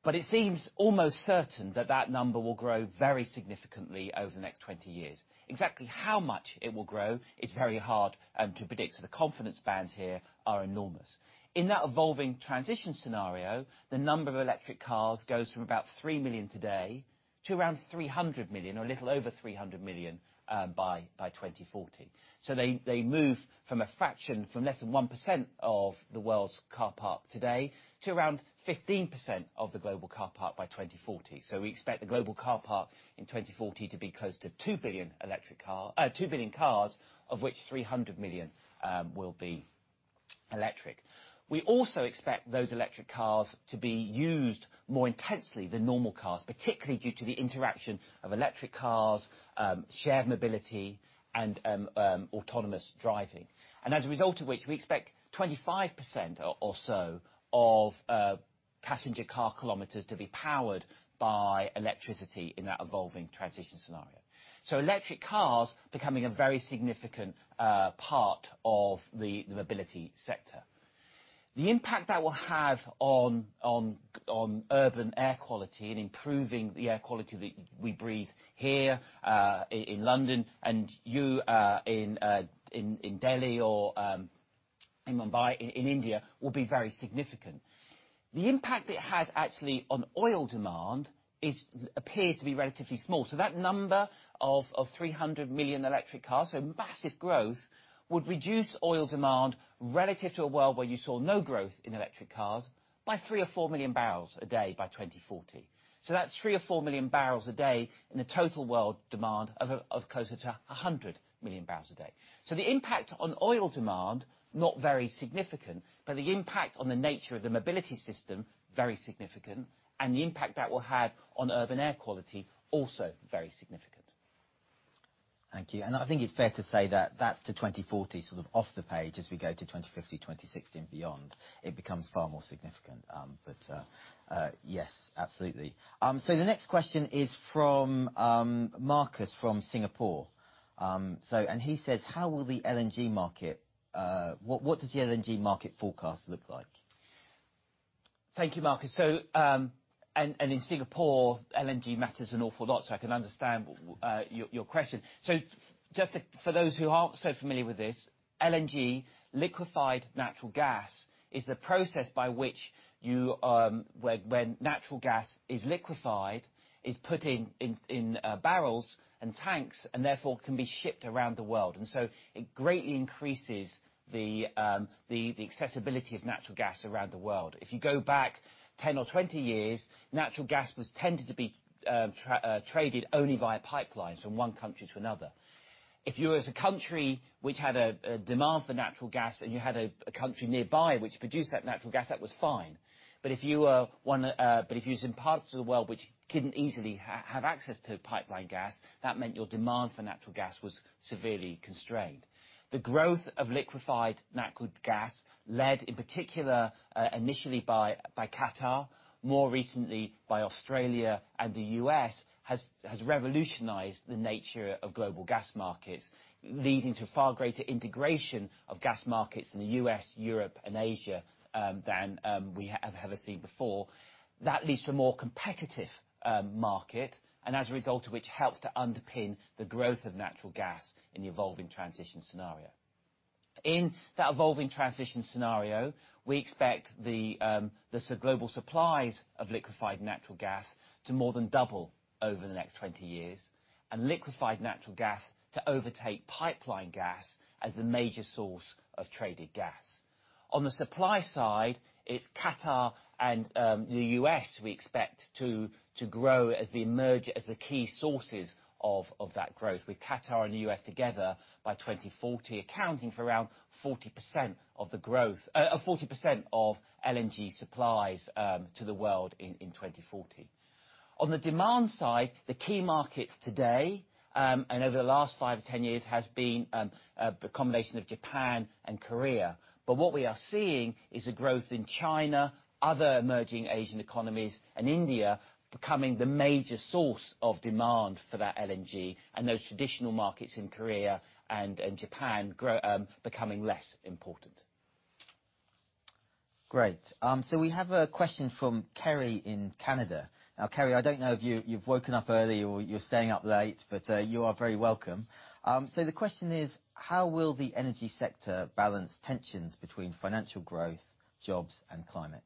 It seems almost certain that that number will grow very significantly over the next 20 years. Exactly how much it will grow is very hard to predict. The confidence bands here are enormous. In that Evolving Transition scenario, the number of electric cars goes from about 3 million today to around 300 million, or a little over 300 million, by 2040. They move from a fraction, from less than 1% of the world's car park today to around 15% of the global car park by 2040. We expect the global car park in 2040 to be close to 2 billion cars, of which 300 million will be electric. We also expect those electric cars to be used more intensely than normal cars, particularly due to the interaction of electric cars, shared mobility, and autonomous driving. As a result of which, we expect 25% or so of passenger car kilometers to be powered by electricity in that Evolving Transition scenario. Electric cars becoming a very significant part of the mobility sector. The impact that will have on urban air quality and improving the air quality that we breathe here, in London, and you, in Delhi or in Mumbai, in India, will be very significant. The impact it has actually on oil demand appears to be relatively small. That number of 300 million electric cars, massive growth, would reduce oil demand relative to a world where you saw no growth in electric cars by 3 or 4 million barrels a day by 2040. That's 3 or 4 million barrels a day in a total world demand of closer to 100 million barrels a day. The impact on oil demand, not very significant, but the impact on the nature of the mobility system, very significant. The impact that will have on urban air quality, also very significant. Thank you. I think it's fair to say that that's to 2040, sort of off the page as we go to 2050, 2060, and beyond. It becomes far more significant. Yes, absolutely. The next question is from Marcus from Singapore. He says, "What does the LNG market forecast look like? Thank you, Marcus. In Singapore, LNG matters an awful lot, so I can understand your question. Just for those who aren't so familiar with this, LNG, liquefied natural gas, is the process by which when natural gas is liquefied, is put in barrels and tanks, and therefore can be shipped around the world. It greatly increases the accessibility of natural gas around the world. If you go back 10 or 20 years, natural gas was tended to be traded only via pipelines from one country to another. If you as a country which had a demand for natural gas and you had a country nearby which produced that natural gas, that was fine. If you was in parts of the world which couldn't easily have access to pipeline gas, that meant your demand for natural gas was severely constrained. The growth of liquefied natural gas, led in particular initially by Qatar, more recently by Australia and the U.S., has revolutionized the nature of global gas markets, leading to far greater integration of gas markets in the U.S., Europe, and Asia, than we have ever seen before. That leads to a more competitive market, as a result of which helps to underpin the growth of natural gas in the Evolving Transition scenario. In that Evolving Transition scenario, we expect the global supplies of liquefied natural gas to more than double over the next 20 years, and liquefied natural gas to overtake pipeline gas as the major source of traded gas. On the supply side, it's Qatar and the U.S. we expect to grow as the key sources of that growth, with Qatar and the U.S. together by 2040 accounting for around 40% of LNG supplies to the world in 2040. On the demand side, the key markets today, over the last five to 10 years, has been a combination of Japan and Korea. What we are seeing is a growth in China, other emerging Asian economies, and India becoming the major source of demand for that LNG and those traditional markets in Korea and Japan becoming less important. Great. We have a question from Kerry in Canada. Kerry, I don't know if you've woken up early or you're staying up late, you are very welcome. The question is, "How will the energy sector balance tensions between financial growth, jobs, and climate?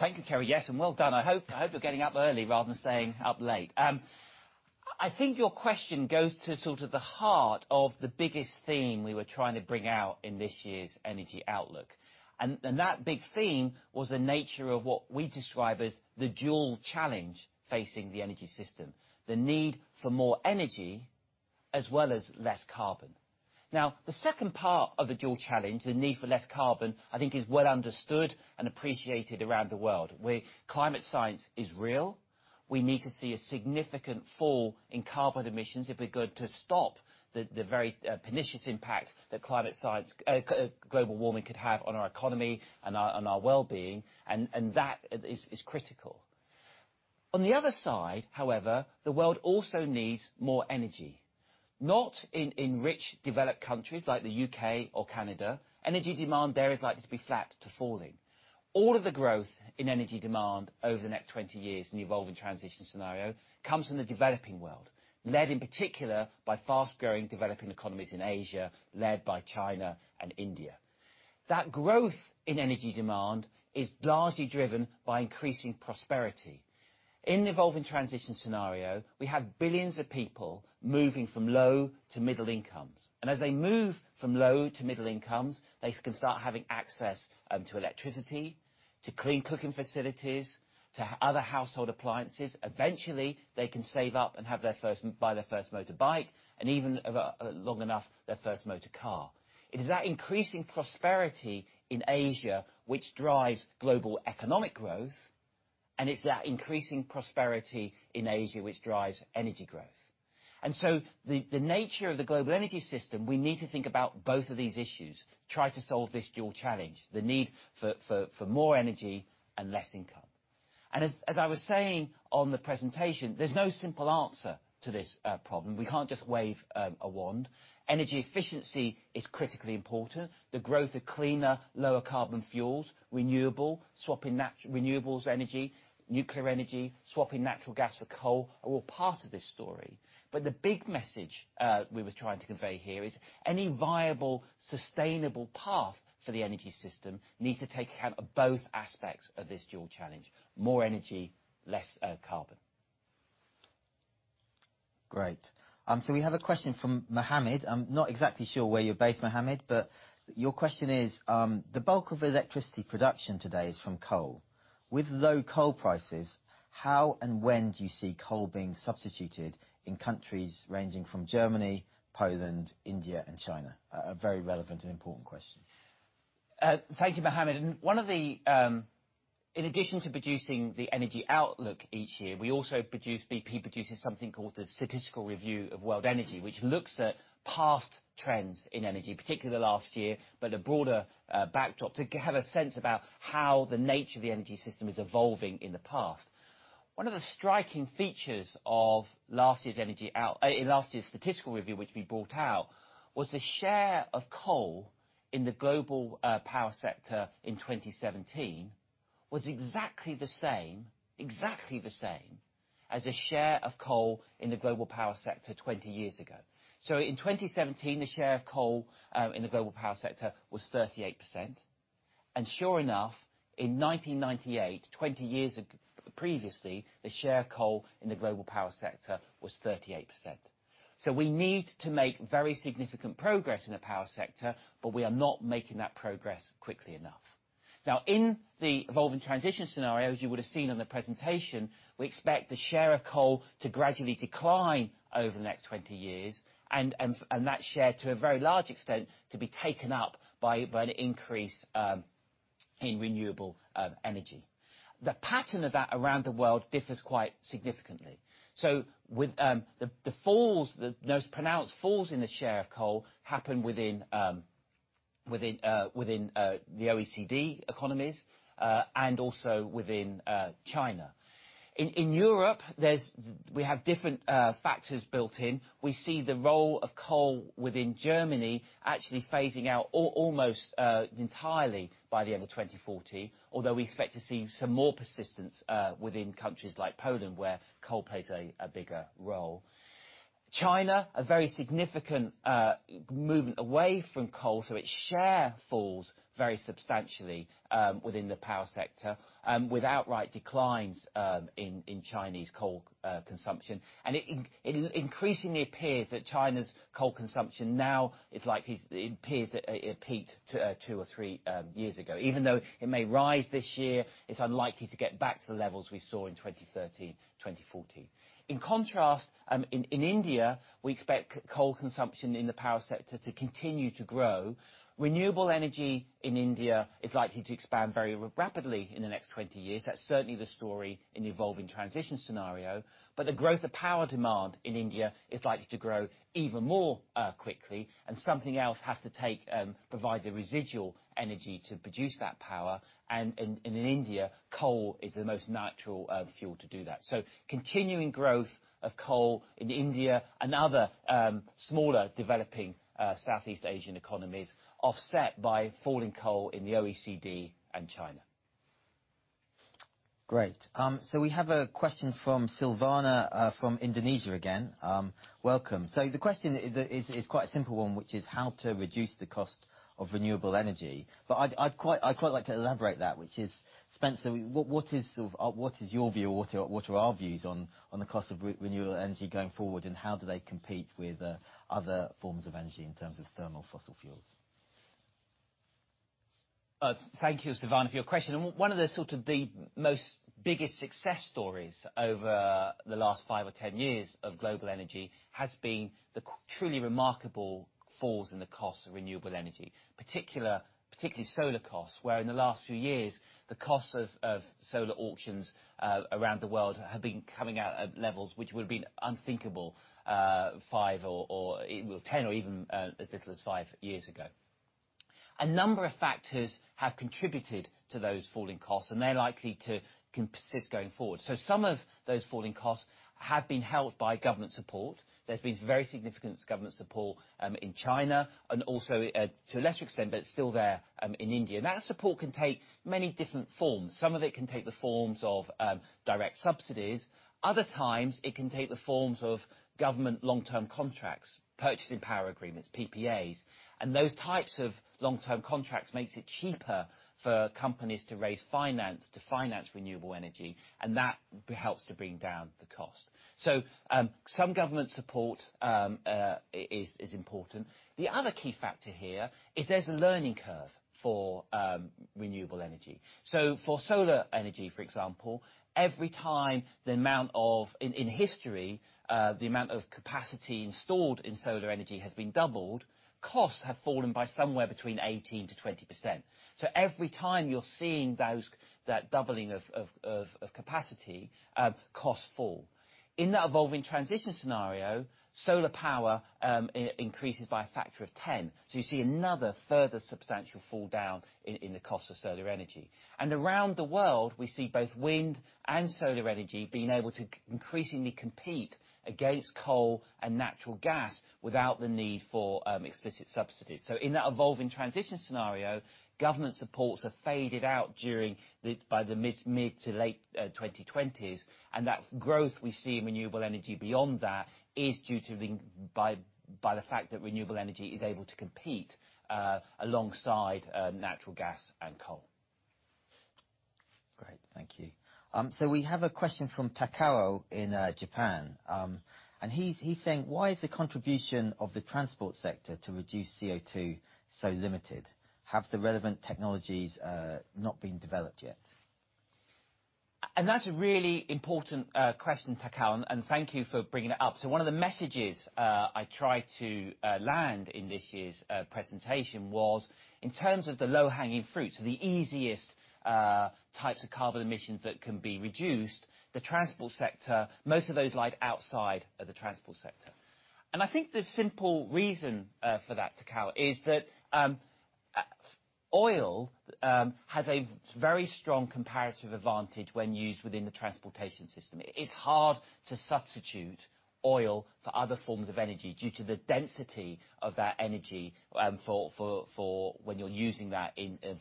Thank you, Kerry. Yes, and well done. I hope you're getting up early rather than staying up late. I think your question goes to sort of the heart of the biggest theme we were trying to bring out in this year's Energy Outlook. That big theme was the nature of what we describe as the dual challenge facing the energy system, the need for more energy, as well as less carbon. The second part of the dual challenge, the need for less carbon, I think is well understood and appreciated around the world, where climate science is real. We need to see a significant fall in carbon emissions if we're going to stop the very pernicious impact that global warming could have on our economy and on our well-being, and that is critical. On the other side, however, the world also needs more energy. Not in rich, developed countries like the U.K. or Canada. Energy demand there is likely to be flat to falling. All of the growth in energy demand over the next 20 years in the Evolving Transition scenario comes from the developing world, led in particular by fast-growing developing economies in Asia, led by China and India. That growth in energy demand is largely driven by increasing prosperity. In the Evolving Transition scenario, we have billions of people moving from low to middle incomes. As they move from low to middle incomes, they can start having access to electricity, to clean cooking facilities, to other household appliances. Eventually, they can save up and buy their first motorbike, and even, long enough, their first motor car. It is that increasing prosperity in Asia which drives global economic growth, and it's that increasing prosperity in Asia which drives energy growth. The nature of the global energy system, we need to think about both of these issues, try to solve this dual challenge, the need for more energy and less carbon. As I was saying on the presentation, there's no simple answer to this problem. We can't just wave a wand. Energy efficiency is critically important. The growth of cleaner, lower carbon fuels, renewable, swapping renewables energy, nuclear energy, swapping natural gas for coal are all part of this story. But the big message we were trying to convey here is any viable, sustainable path for the energy system needs to take account of both aspects of this dual challenge, more energy, less carbon. Great. We have a question from Mohammed. I'm not exactly sure where you're based, Mohammed, but your question is, "The bulk of electricity production today is from coal. With low coal prices, how and when do you see coal being substituted in countries ranging from Germany, Poland, India, and China?" A very relevant and important question. Thank you, Mohammed. In addition to producing the Energy Outlook each year, BP produces something called the Statistical Review of World Energy, which looks at past trends in energy, particularly the last year, but a broader backdrop to have a sense about how the nature of the energy system is evolving in the past. One of the striking features of last year's Statistical Review, which we brought out, was the share of coal in the global power sector in 2017 was exactly the same as the share of coal in the global power sector 20 years ago. In 2017, the share of coal in the global power sector was 38%, and sure enough, in 1998, 20 years previously, the share of coal in the global power sector was 38%. We need to make very significant progress in the power sector, but we are not making that progress quickly enough. Now, in the Evolving Transition scenario, as you would have seen in the presentation, we expect the share of coal to gradually decline over the next 20 years, and that share, to a very large extent, to be taken up by an increase in renewable energy. The pattern of that around the world differs quite significantly. The most pronounced falls in the share of coal happen within the OECD economies, and also within China. In Europe, we have different factors built in. We see the role of coal within Germany actually phasing out almost entirely by the end of 2040, although we expect to see some more persistence within countries like Poland, where coal plays a bigger role. China, a very significant movement away from coal, its share falls very substantially, within the power sector, with outright declines in Chinese coal consumption. It increasingly appears that China's coal consumption now, it appears that it peaked two or three years ago. Even though it may rise this year, it's unlikely to get back to the levels we saw in 2013, 2014. In contrast, in India, we expect coal consumption in the power sector to continue to grow. Renewable energy in India is likely to expand very rapidly in the next 20 years. That's certainly the story in the Evolving Transition scenario. The growth of power demand in India is likely to grow even more quickly, and something else has to provide the residual energy to produce that power. In India, coal is the most natural fuel to do that. Continuing growth of coal in India and other smaller developing Southeast Asian economies offset by falling coal in the OECD and China. Great. We have a question from Silvana from Indonesia again. Welcome. The question is quite a simple one, which is how to reduce the cost of renewable energy. I'd quite like to elaborate that, which is, Spencer, what is your view, what are our views on the cost of renewable energy going forward, and how do they compete with other forms of energy in terms of thermal fossil fuels? Thank you, Silvana, for your question. One of the sort of the most biggest success stories over the last 5 or 10 years of global energy has been the truly remarkable falls in the cost of renewable energy, particularly solar costs, where in the last few years, the costs of solar auctions around the world have been coming out at levels which would've been unthinkable 10 or even as little as 5 years ago. A number of factors have contributed to those falling costs, and they're likely to persist going forward. Some of those falling costs have been helped by government support. There's been very significant government support in China and also, to a lesser extent, but it's still there, in India. That support can take many different forms. Some of it can take the forms of direct subsidies. Other times, it can take the forms of government long-term contracts, purchasing power agreements, PPAs, and those types of long-term contracts makes it cheaper for companies to raise finance to finance renewable energy, and that helps to bring down the cost. Some government support is important. The other key factor here is there's a learning curve for renewable energy. For solar energy, for example, every time, in history, the amount of capacity installed in solar energy has been doubled, costs have fallen by somewhere between 18%-20%. Every time you're seeing that doubling of capacity, costs fall. In that Evolving Transition scenario, solar power increases by a factor of 10. You see another further substantial fall down in the cost of solar energy. Around the world, we see both wind and solar energy being able to increasingly compete against coal and natural gas without the need for explicit subsidies. In that Evolving Transition scenario, government supports are faded out by the mid to late 2020s, and that growth we see in renewable energy beyond that is due to by the fact that renewable energy is able to compete alongside natural gas and coal. Great, thank you. We have a question from Takao in Japan. He's saying, "Why is the contribution of the transport sector to reduce CO2 so limited? Have the relevant technologies not been developed yet? That's a really important question, Takao, and thank you for bringing it up. One of the messages I tried to land in this year's presentation was, in terms of the low-hanging fruit, so the easiest types of carbon emissions that can be reduced, most of those lie outside of the transport sector. I think the simple reason for that, Takao, is that oil has a very strong comparative advantage when used within the transportation system. It's hard to substitute oil for other forms of energy due to the density of that energy for when you're using that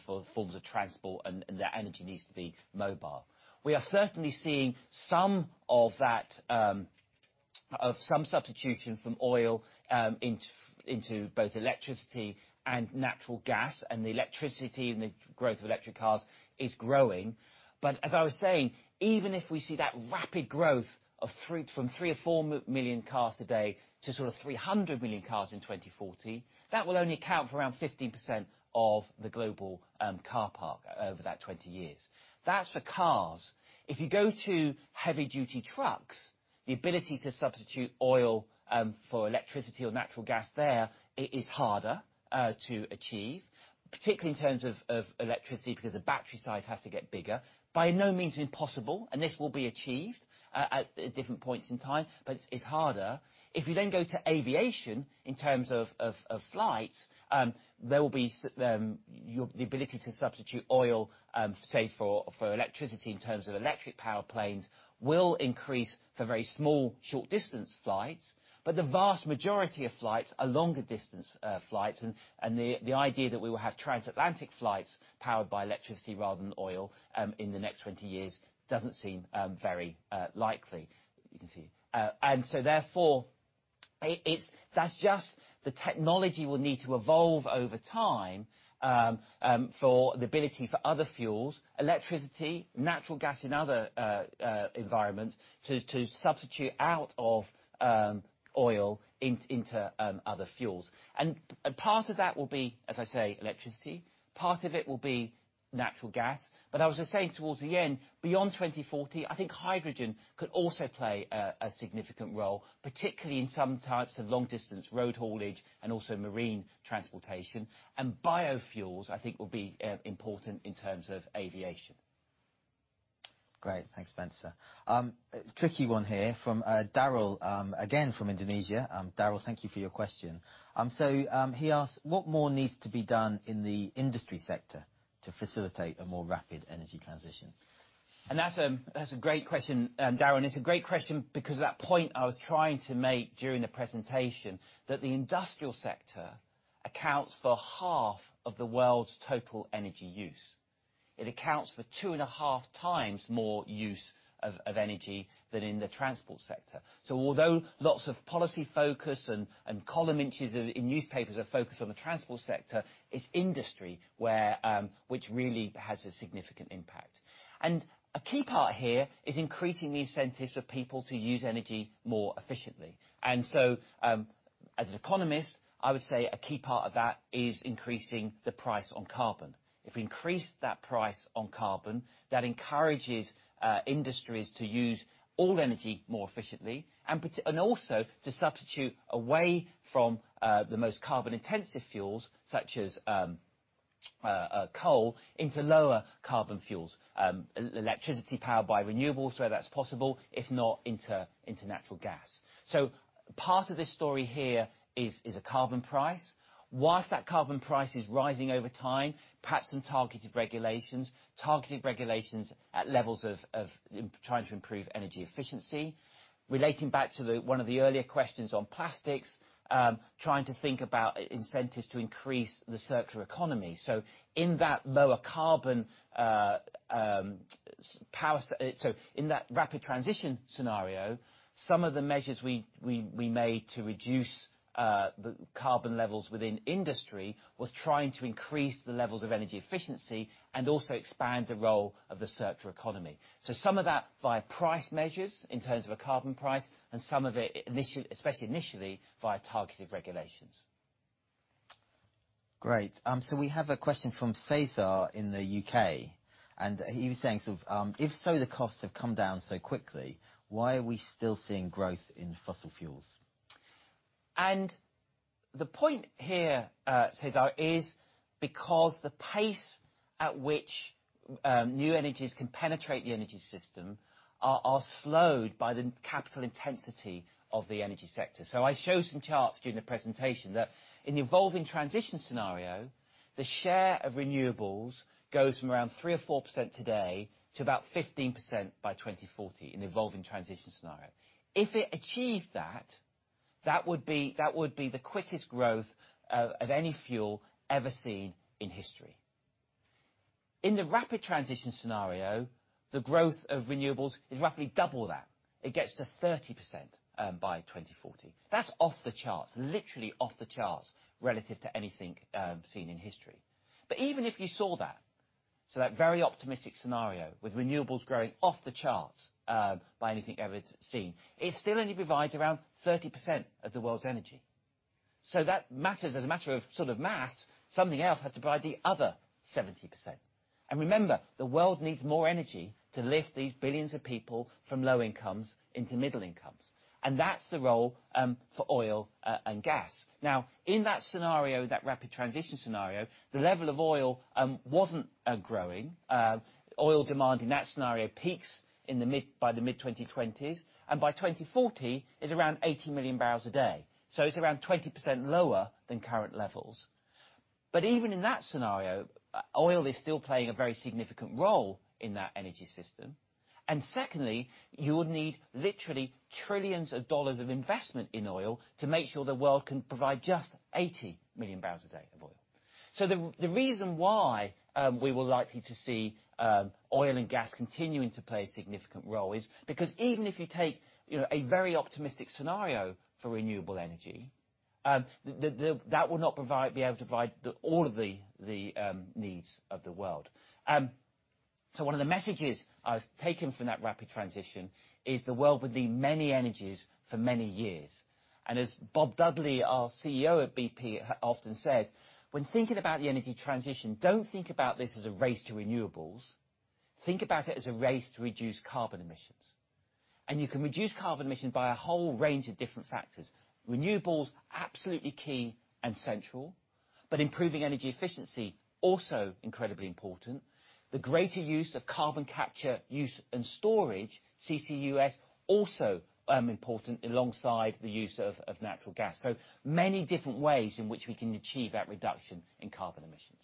for forms of transport and that energy needs to be mobile. We are certainly seeing some substitution from oil into both electricity and natural gas, and the electricity and the growth of electric cars is growing. As I was saying, even if we see that rapid growth of fleet from three or four million cars today to sort of 300 million cars in 2040, that will only account for around 15% of the global car park over that 20 years. That's for cars. If you go to heavy-duty trucks, the ability to substitute oil for electricity or natural gas there, it is harder to achieve, particularly in terms of electricity, because the battery size has to get bigger. By no means impossible, and this will be achieved at different points in time, but it's harder. If you go to aviation, in terms of flights, the ability to substitute oil, say for electricity in terms of electric power planes, will increase for very small, short-distance flights, but the vast majority of flights are longer distance flights. The idea that we will have transatlantic flights powered by electricity rather than oil in the next 20 years doesn't seem very likely. Therefore, the technology will need to evolve over time for the ability for other fuels, electricity, natural gas in other environments, to substitute out of oil into other fuels. Part of that will be, as I say, electricity. Part of it will be natural gas. I was just saying towards the end, beyond 2040, I think hydrogen could also play a significant role, particularly in some types of long-distance road haulage and also marine transportation. Biofuels, I think, will be important in terms of aviation. Great. Thanks, Spencer. Tricky one here from Daryl, again from Indonesia. Daryl, thank you for your question. He asks, "What more needs to be done in the industry sector to facilitate a more rapid energy transition? That's a great question, Daryl. It's a great question because that point I was trying to make during the presentation, that the industrial sector accounts for half of the world's total energy use. It accounts for two and a half times more use of energy than in the transport sector. Although lots of policy focus and column inches in newspapers are focused on the transport sector, it's industry which really has a significant impact. A key part here is increasing the incentives for people to use energy more efficiently. As an economist, I would say a key part of that is increasing the price on carbon. If we increase that price on carbon, that encourages industries to use all energy more efficiently and also to substitute away from the most carbon-intensive fuels, such as coal, into lower carbon fuels, electricity powered by renewables, where that's possible, if not, into natural gas. Part of this story here is a carbon price. While that carbon price is rising over time, perhaps some targeted regulations, targeted regulations at levels of trying to improve energy efficiency. Relating back to one of the earlier questions on plastics, trying to think about incentives to increase the circular economy. In that Rapid Transition scenario, some of the measures we made to reduce the carbon levels within industry was trying to increase the levels of energy efficiency and also expand the role of the circular economy. Some of that via price measures in terms of a carbon price, and some of it, especially initially, via targeted regulations. Great. We have a question from Cesar in the U.K., and he was saying, "If solar costs have come down so quickly, why are we still seeing growth in fossil fuels? The point here, Cesar, is because the pace at which new energies can penetrate the energy system are slowed by the capital intensity of the energy sector. I showed some charts during the presentation that in the Evolving Transition scenario, the share of renewables goes from around 3% or 4% today to about 15% by 2040 in Evolving Transition scenario. If it achieved that would be the quickest growth of any fuel ever seen in history. In the Rapid Transition scenario, the growth of renewables is roughly double that. It gets to 30% by 2040. That's off the charts, literally off the charts relative to anything seen in history. Even if you saw that, so that very optimistic scenario with renewables growing off the charts, by anything ever seen, it still only provides around 30% of the world's energy. That matters as a matter of mass, something else has to provide the other 70%. Remember, the world needs more energy to lift these billions of people from low incomes into middle incomes. That's the role for oil and gas. Now, in that scenario, that Rapid Transition scenario, the level of oil wasn't growing. Oil demand in that scenario peaks by the mid-2020s. By 2040, is around 80 million barrels a day. It's around 20% lower than current levels. Even in that scenario, oil is still playing a very significant role in that energy system. Secondly, you would need literally trillions of GBP of investment in oil to make sure the world can provide just 80 million barrels a day of oil. The reason why we were likely to see oil and gas continuing to play a significant role is because even if you take a very optimistic scenario for renewable energy, that will not be able to provide all of the needs of the world. One of the messages I was taking from that Rapid Transition is the world will need many energies for many years. As Bob Dudley, our CEO of BP, often says, "When thinking about the energy transition, don't think about this as a race to renewables. Think about it as a race to reduce carbon emissions." You can reduce carbon emissions by a whole range of different factors. Renewables, absolutely key and central, but improving energy efficiency, also incredibly important. The greater use of carbon capture use and storage, CCUS, also important alongside the use of natural gas. Many different ways in which we can achieve that reduction in carbon emissions.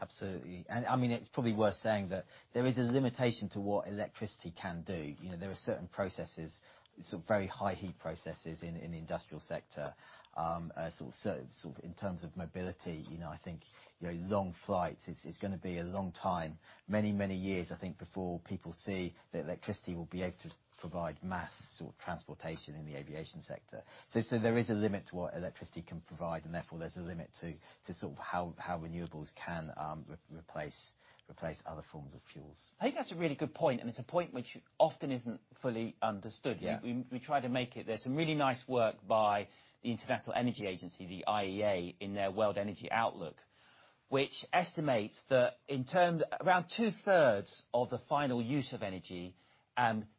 Absolutely. It's probably worth saying that there is a limitation to what electricity can do. There are certain processes, some very high heat processes in the industrial sector. In terms of mobility, I think long flights, it's going to be a long time, many, many years, I think, before people see that electricity will be able to provide mass transportation in the aviation sector. There is a limit to what electricity can provide, and therefore, there's a limit to how renewables can replace other forms of fuels. I think that's a really good point, and it's a point which often isn't fully understood. Yeah. We try to make it. There's some really nice work by the International Energy Agency, the IEA, in their World Energy Outlook, which estimates that around two-thirds of the final use of energy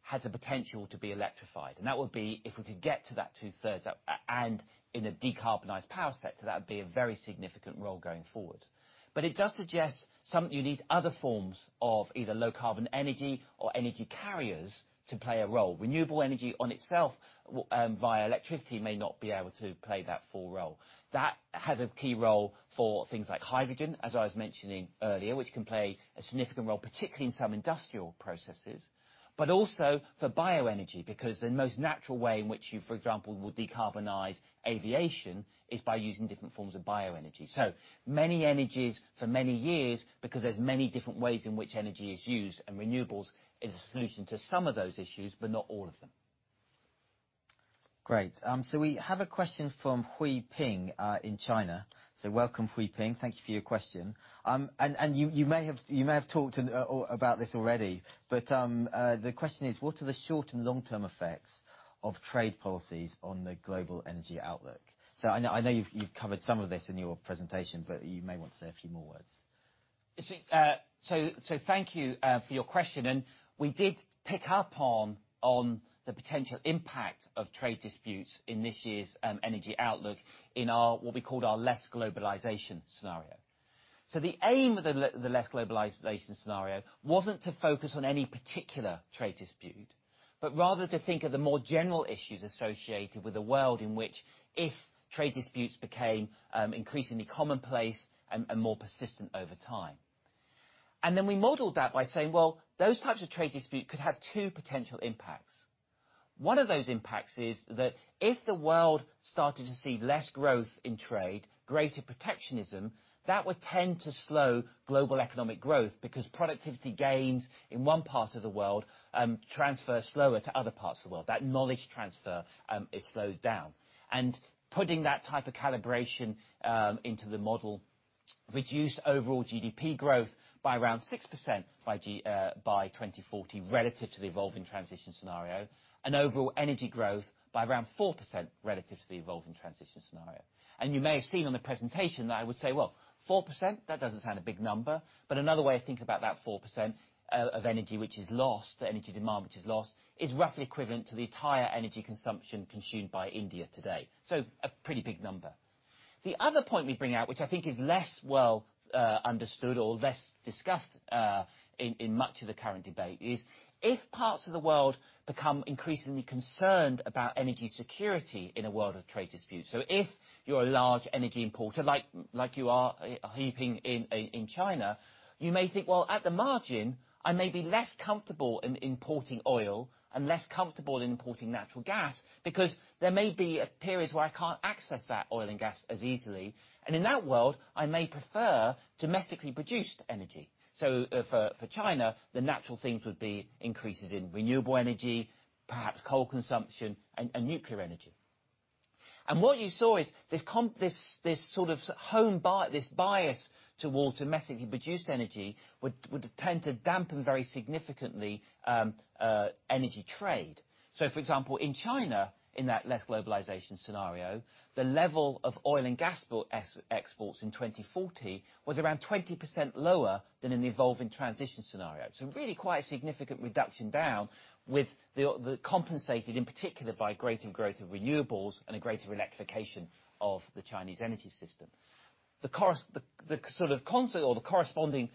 has a potential to be electrified. That would be if we could get to that two-thirds and in a decarbonized power sector, that would be a very significant role going forward. It does suggest you need other forms of either low carbon energy or energy carriers to play a role. Renewable energy on itself, via electricity, may not be able to play that full role. That has a key role for things like hydrogen, as I was mentioning earlier, which can play a significant role, particularly in some industrial processes, but also for bioenergy, because the most natural way in which you, for example, would decarbonize aviation is by using different forms of bioenergy. Many energies for many years because there's many different ways in which energy is used, and renewables is a solution to some of those issues, but not all of them. Great. We have a question from Hui Ping in China. Welcome, Hui Ping. Thank you for your question. You may have talked about this already, but the question is, what are the short and long-term effects of trade policies on the global energy outlook? I know you've covered some of this in your presentation, but you may want to say a few more words. Thank you for your question, and we did pick up on the potential impact of trade disputes in this year's Energy Outlook in what we called our Less Globalization scenario. The aim of the Less Globalization scenario wasn't to focus on any particular trade dispute, but rather to think of the more general issues associated with a world in which if trade disputes became increasingly commonplace and more persistent over time. We modeled that by saying, well, those types of trade disputes could have two potential impacts. One of those impacts is that if the world started to see less growth in trade, greater protectionism, that would tend to slow global economic growth because productivity gains in one part of the world transfer slower to other parts of the world. That knowledge transfer is slowed down. Putting that type of calibration into the model reduced overall GDP growth by around 6% by 2040, relative to the Evolving Transition scenario, and overall energy growth by around 4% relative to the Evolving Transition scenario. You may have seen on the presentation that I would say, well, 4%? That doesn't sound a big number. Another way of thinking about that 4% of energy which is lost, the energy demand which is lost, is roughly equivalent to the entire energy consumption consumed by India today. A pretty big number. The other point we bring out, which I think is less well understood or less discussed in much of the current debate, is if parts of the world become increasingly concerned about energy security in a world of trade disputes. If you're a large energy importer, like you are, Hui Ping, in China, you may think, well, at the margin, I may be less comfortable in importing oil and less comfortable in importing natural gas because there may be periods where I can't access that oil and gas as easily. In that world, I may prefer domestically produced energy. For China, the natural things would be increases in renewable energy, perhaps coal consumption and nuclear energy. What you saw is this bias towards domestically produced energy would tend to dampen very significantly energy trade. For example, in China, in that Less Globalization scenario, the level of oil and gas exports in 2040 was around 20% lower than in the Evolving Transition scenario. Really quite a significant reduction down with the compensated, in particular by greater growth of renewables and a greater electrification of the Chinese energy system. The corresponding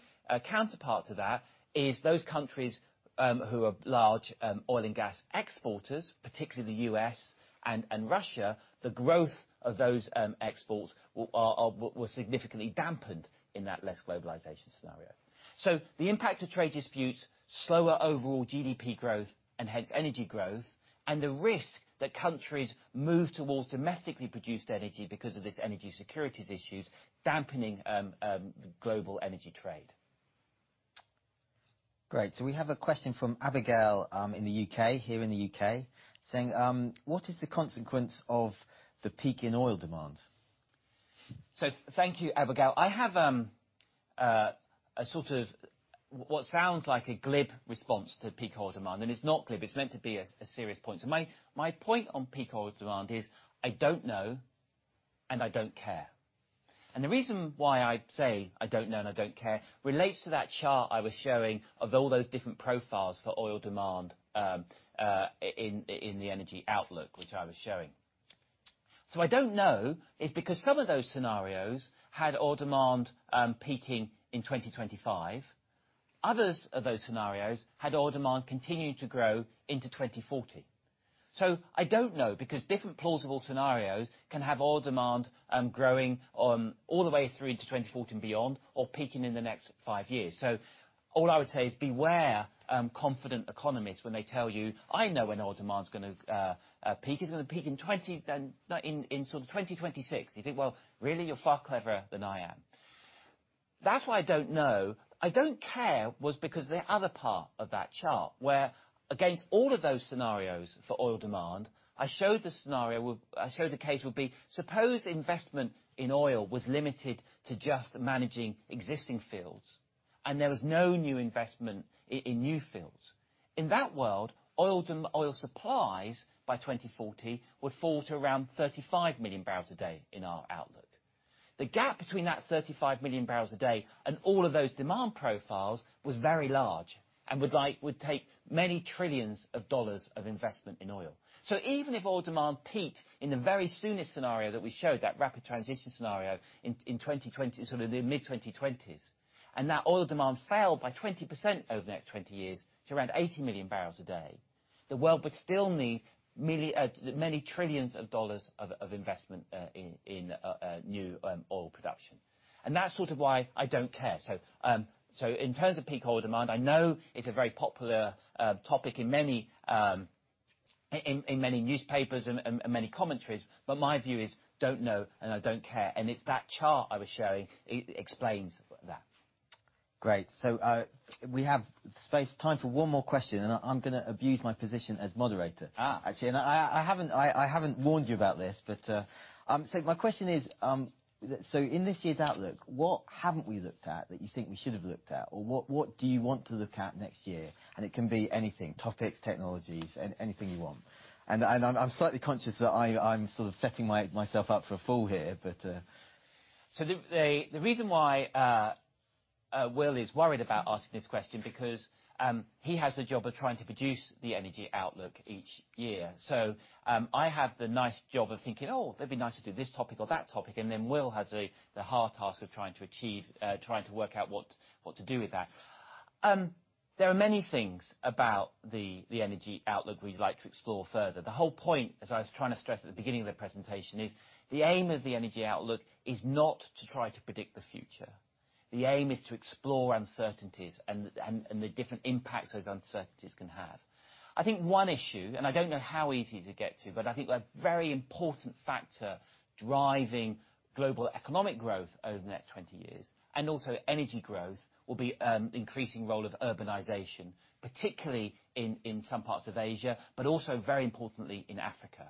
counterpart to that is those countries who are large oil and gas exporters, particularly the U.S. and Russia, the growth of those exports were significantly dampened in that Less Globalization scenario. The impact of trade disputes, slower overall GDP growth and hence energy growth, and the risk that countries move towards domestically produced energy because of this energy security issues dampening global energy trade. Great. We have a question from Abigail here in the U.K. saying, what is the consequence of the peak in oil demand? Thank you, Abigail. I have what sounds like a glib response to peak oil demand, and it's not glib. It's meant to be a serious point. My point on peak oil demand is, I don't know, and I don't care. The reason why I say I don't know and I don't care relates to that chart I was showing of all those different profiles for oil demand in the Energy Outlook, which I was showing. I don't know is because some of those scenarios had oil demand peaking in 2025. Others of those scenarios had oil demand continuing to grow into 2040. I don't know, because different plausible scenarios can have oil demand growing all the way through to 2040 and beyond, or peaking in the next five years. All I would say is beware confident economists when they tell you, "I know when oil demand is going to peak. It's going to peak in 2026." You think, well, really? You're far cleverer than I am. That's why I don't know. I don't care was because the other part of that chart, where against all of those scenarios for oil demand, I showed the case would be, suppose investment in oil was limited to just managing existing fields, and there was no new investment in new fields. In that world, oil supplies by 2040 would fall to around 35 million barrels a day in our outlook. The gap between that 35 million barrels a day and all of those demand profiles was very large and would take many trillions of dollars of investment in oil. Even if oil demand peaked in the very soonest scenario that we showed, that Rapid Transition scenario in the mid-2020s, and that oil demand fell by 20% over the next 20 years to around 80 million barrels a day, the world would still need many trillions of dollars of investment in new oil production. That's sort of why I don't care. In terms of peak oil demand, I know it's a very popular topic in many newspapers and many commentaries, but my view is, don't know and I don't care. It's that chart I was showing explains that. Great. We have space, time for one more question, and I'm going to abuse my position as moderator. Actually, I haven't warned you about this, my question is, so in this year's Outlook, what haven't we looked at that you think we should have looked at? What do you want to look at next year? It can be anything, topics, technologies, anything you want. I'm slightly conscious that I'm sort of setting myself up for a fall here. The reason why Will is worried about asking this question, because he has the job of trying to produce the Energy Outlook each year. I have the nice job of thinking, oh, that'd be nice to do this topic or that topic, and then Will has the hard task of trying to work out what to do with that. There are many things about the Energy Outlook we'd like to explore further. The whole point, as I was trying to stress at the beginning of the presentation, is the aim of the Energy Outlook is not to try to predict the future. The aim is to explore uncertainties and the different impacts those uncertainties can have. I think one issue, and I don't know how easy to get to, but I think a very important factor driving global economic growth over the next 20 years, and also energy growth, will be increasing role of urbanization, particularly in some parts of Asia, but also very importantly in Africa.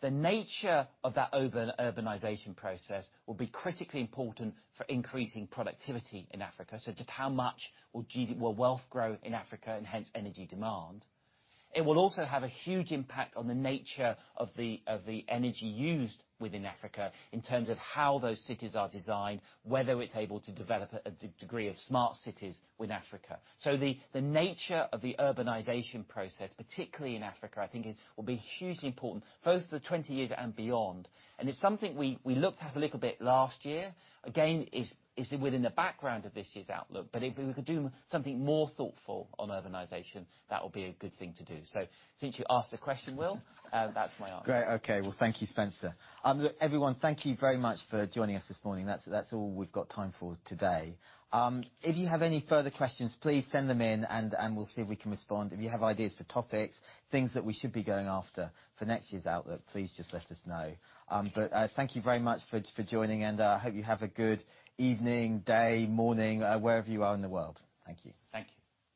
The nature of that urbanization process will be critically important for increasing productivity in Africa. Just how much will wealth grow in Africa and hence energy demand? It will also have a huge impact on the nature of the energy used within Africa in terms of how those cities are designed, whether it's able to develop a degree of smart cities with Africa. The nature of the urbanization process, particularly in Africa, I think will be hugely important both for the 20 years and beyond. It's something we looked at a little bit last year. Again, it's within the background of this year's Outlook, but if we could do something more thoughtful on urbanization, that would be a good thing to do. Since you asked the question, Will, that's my answer. Great. Okay. Well, thank you, Spencer. Everyone, thank you very much for joining us this morning. That's all we've got time for today. If you have any further questions, please send them in and we'll see if we can respond. If you have ideas for topics, things that we should be going after for next year's Outlook, please just let us know. Thank you very much for joining and I hope you have a good evening, day, morning, wherever you are in the world. Thank you. Thank you.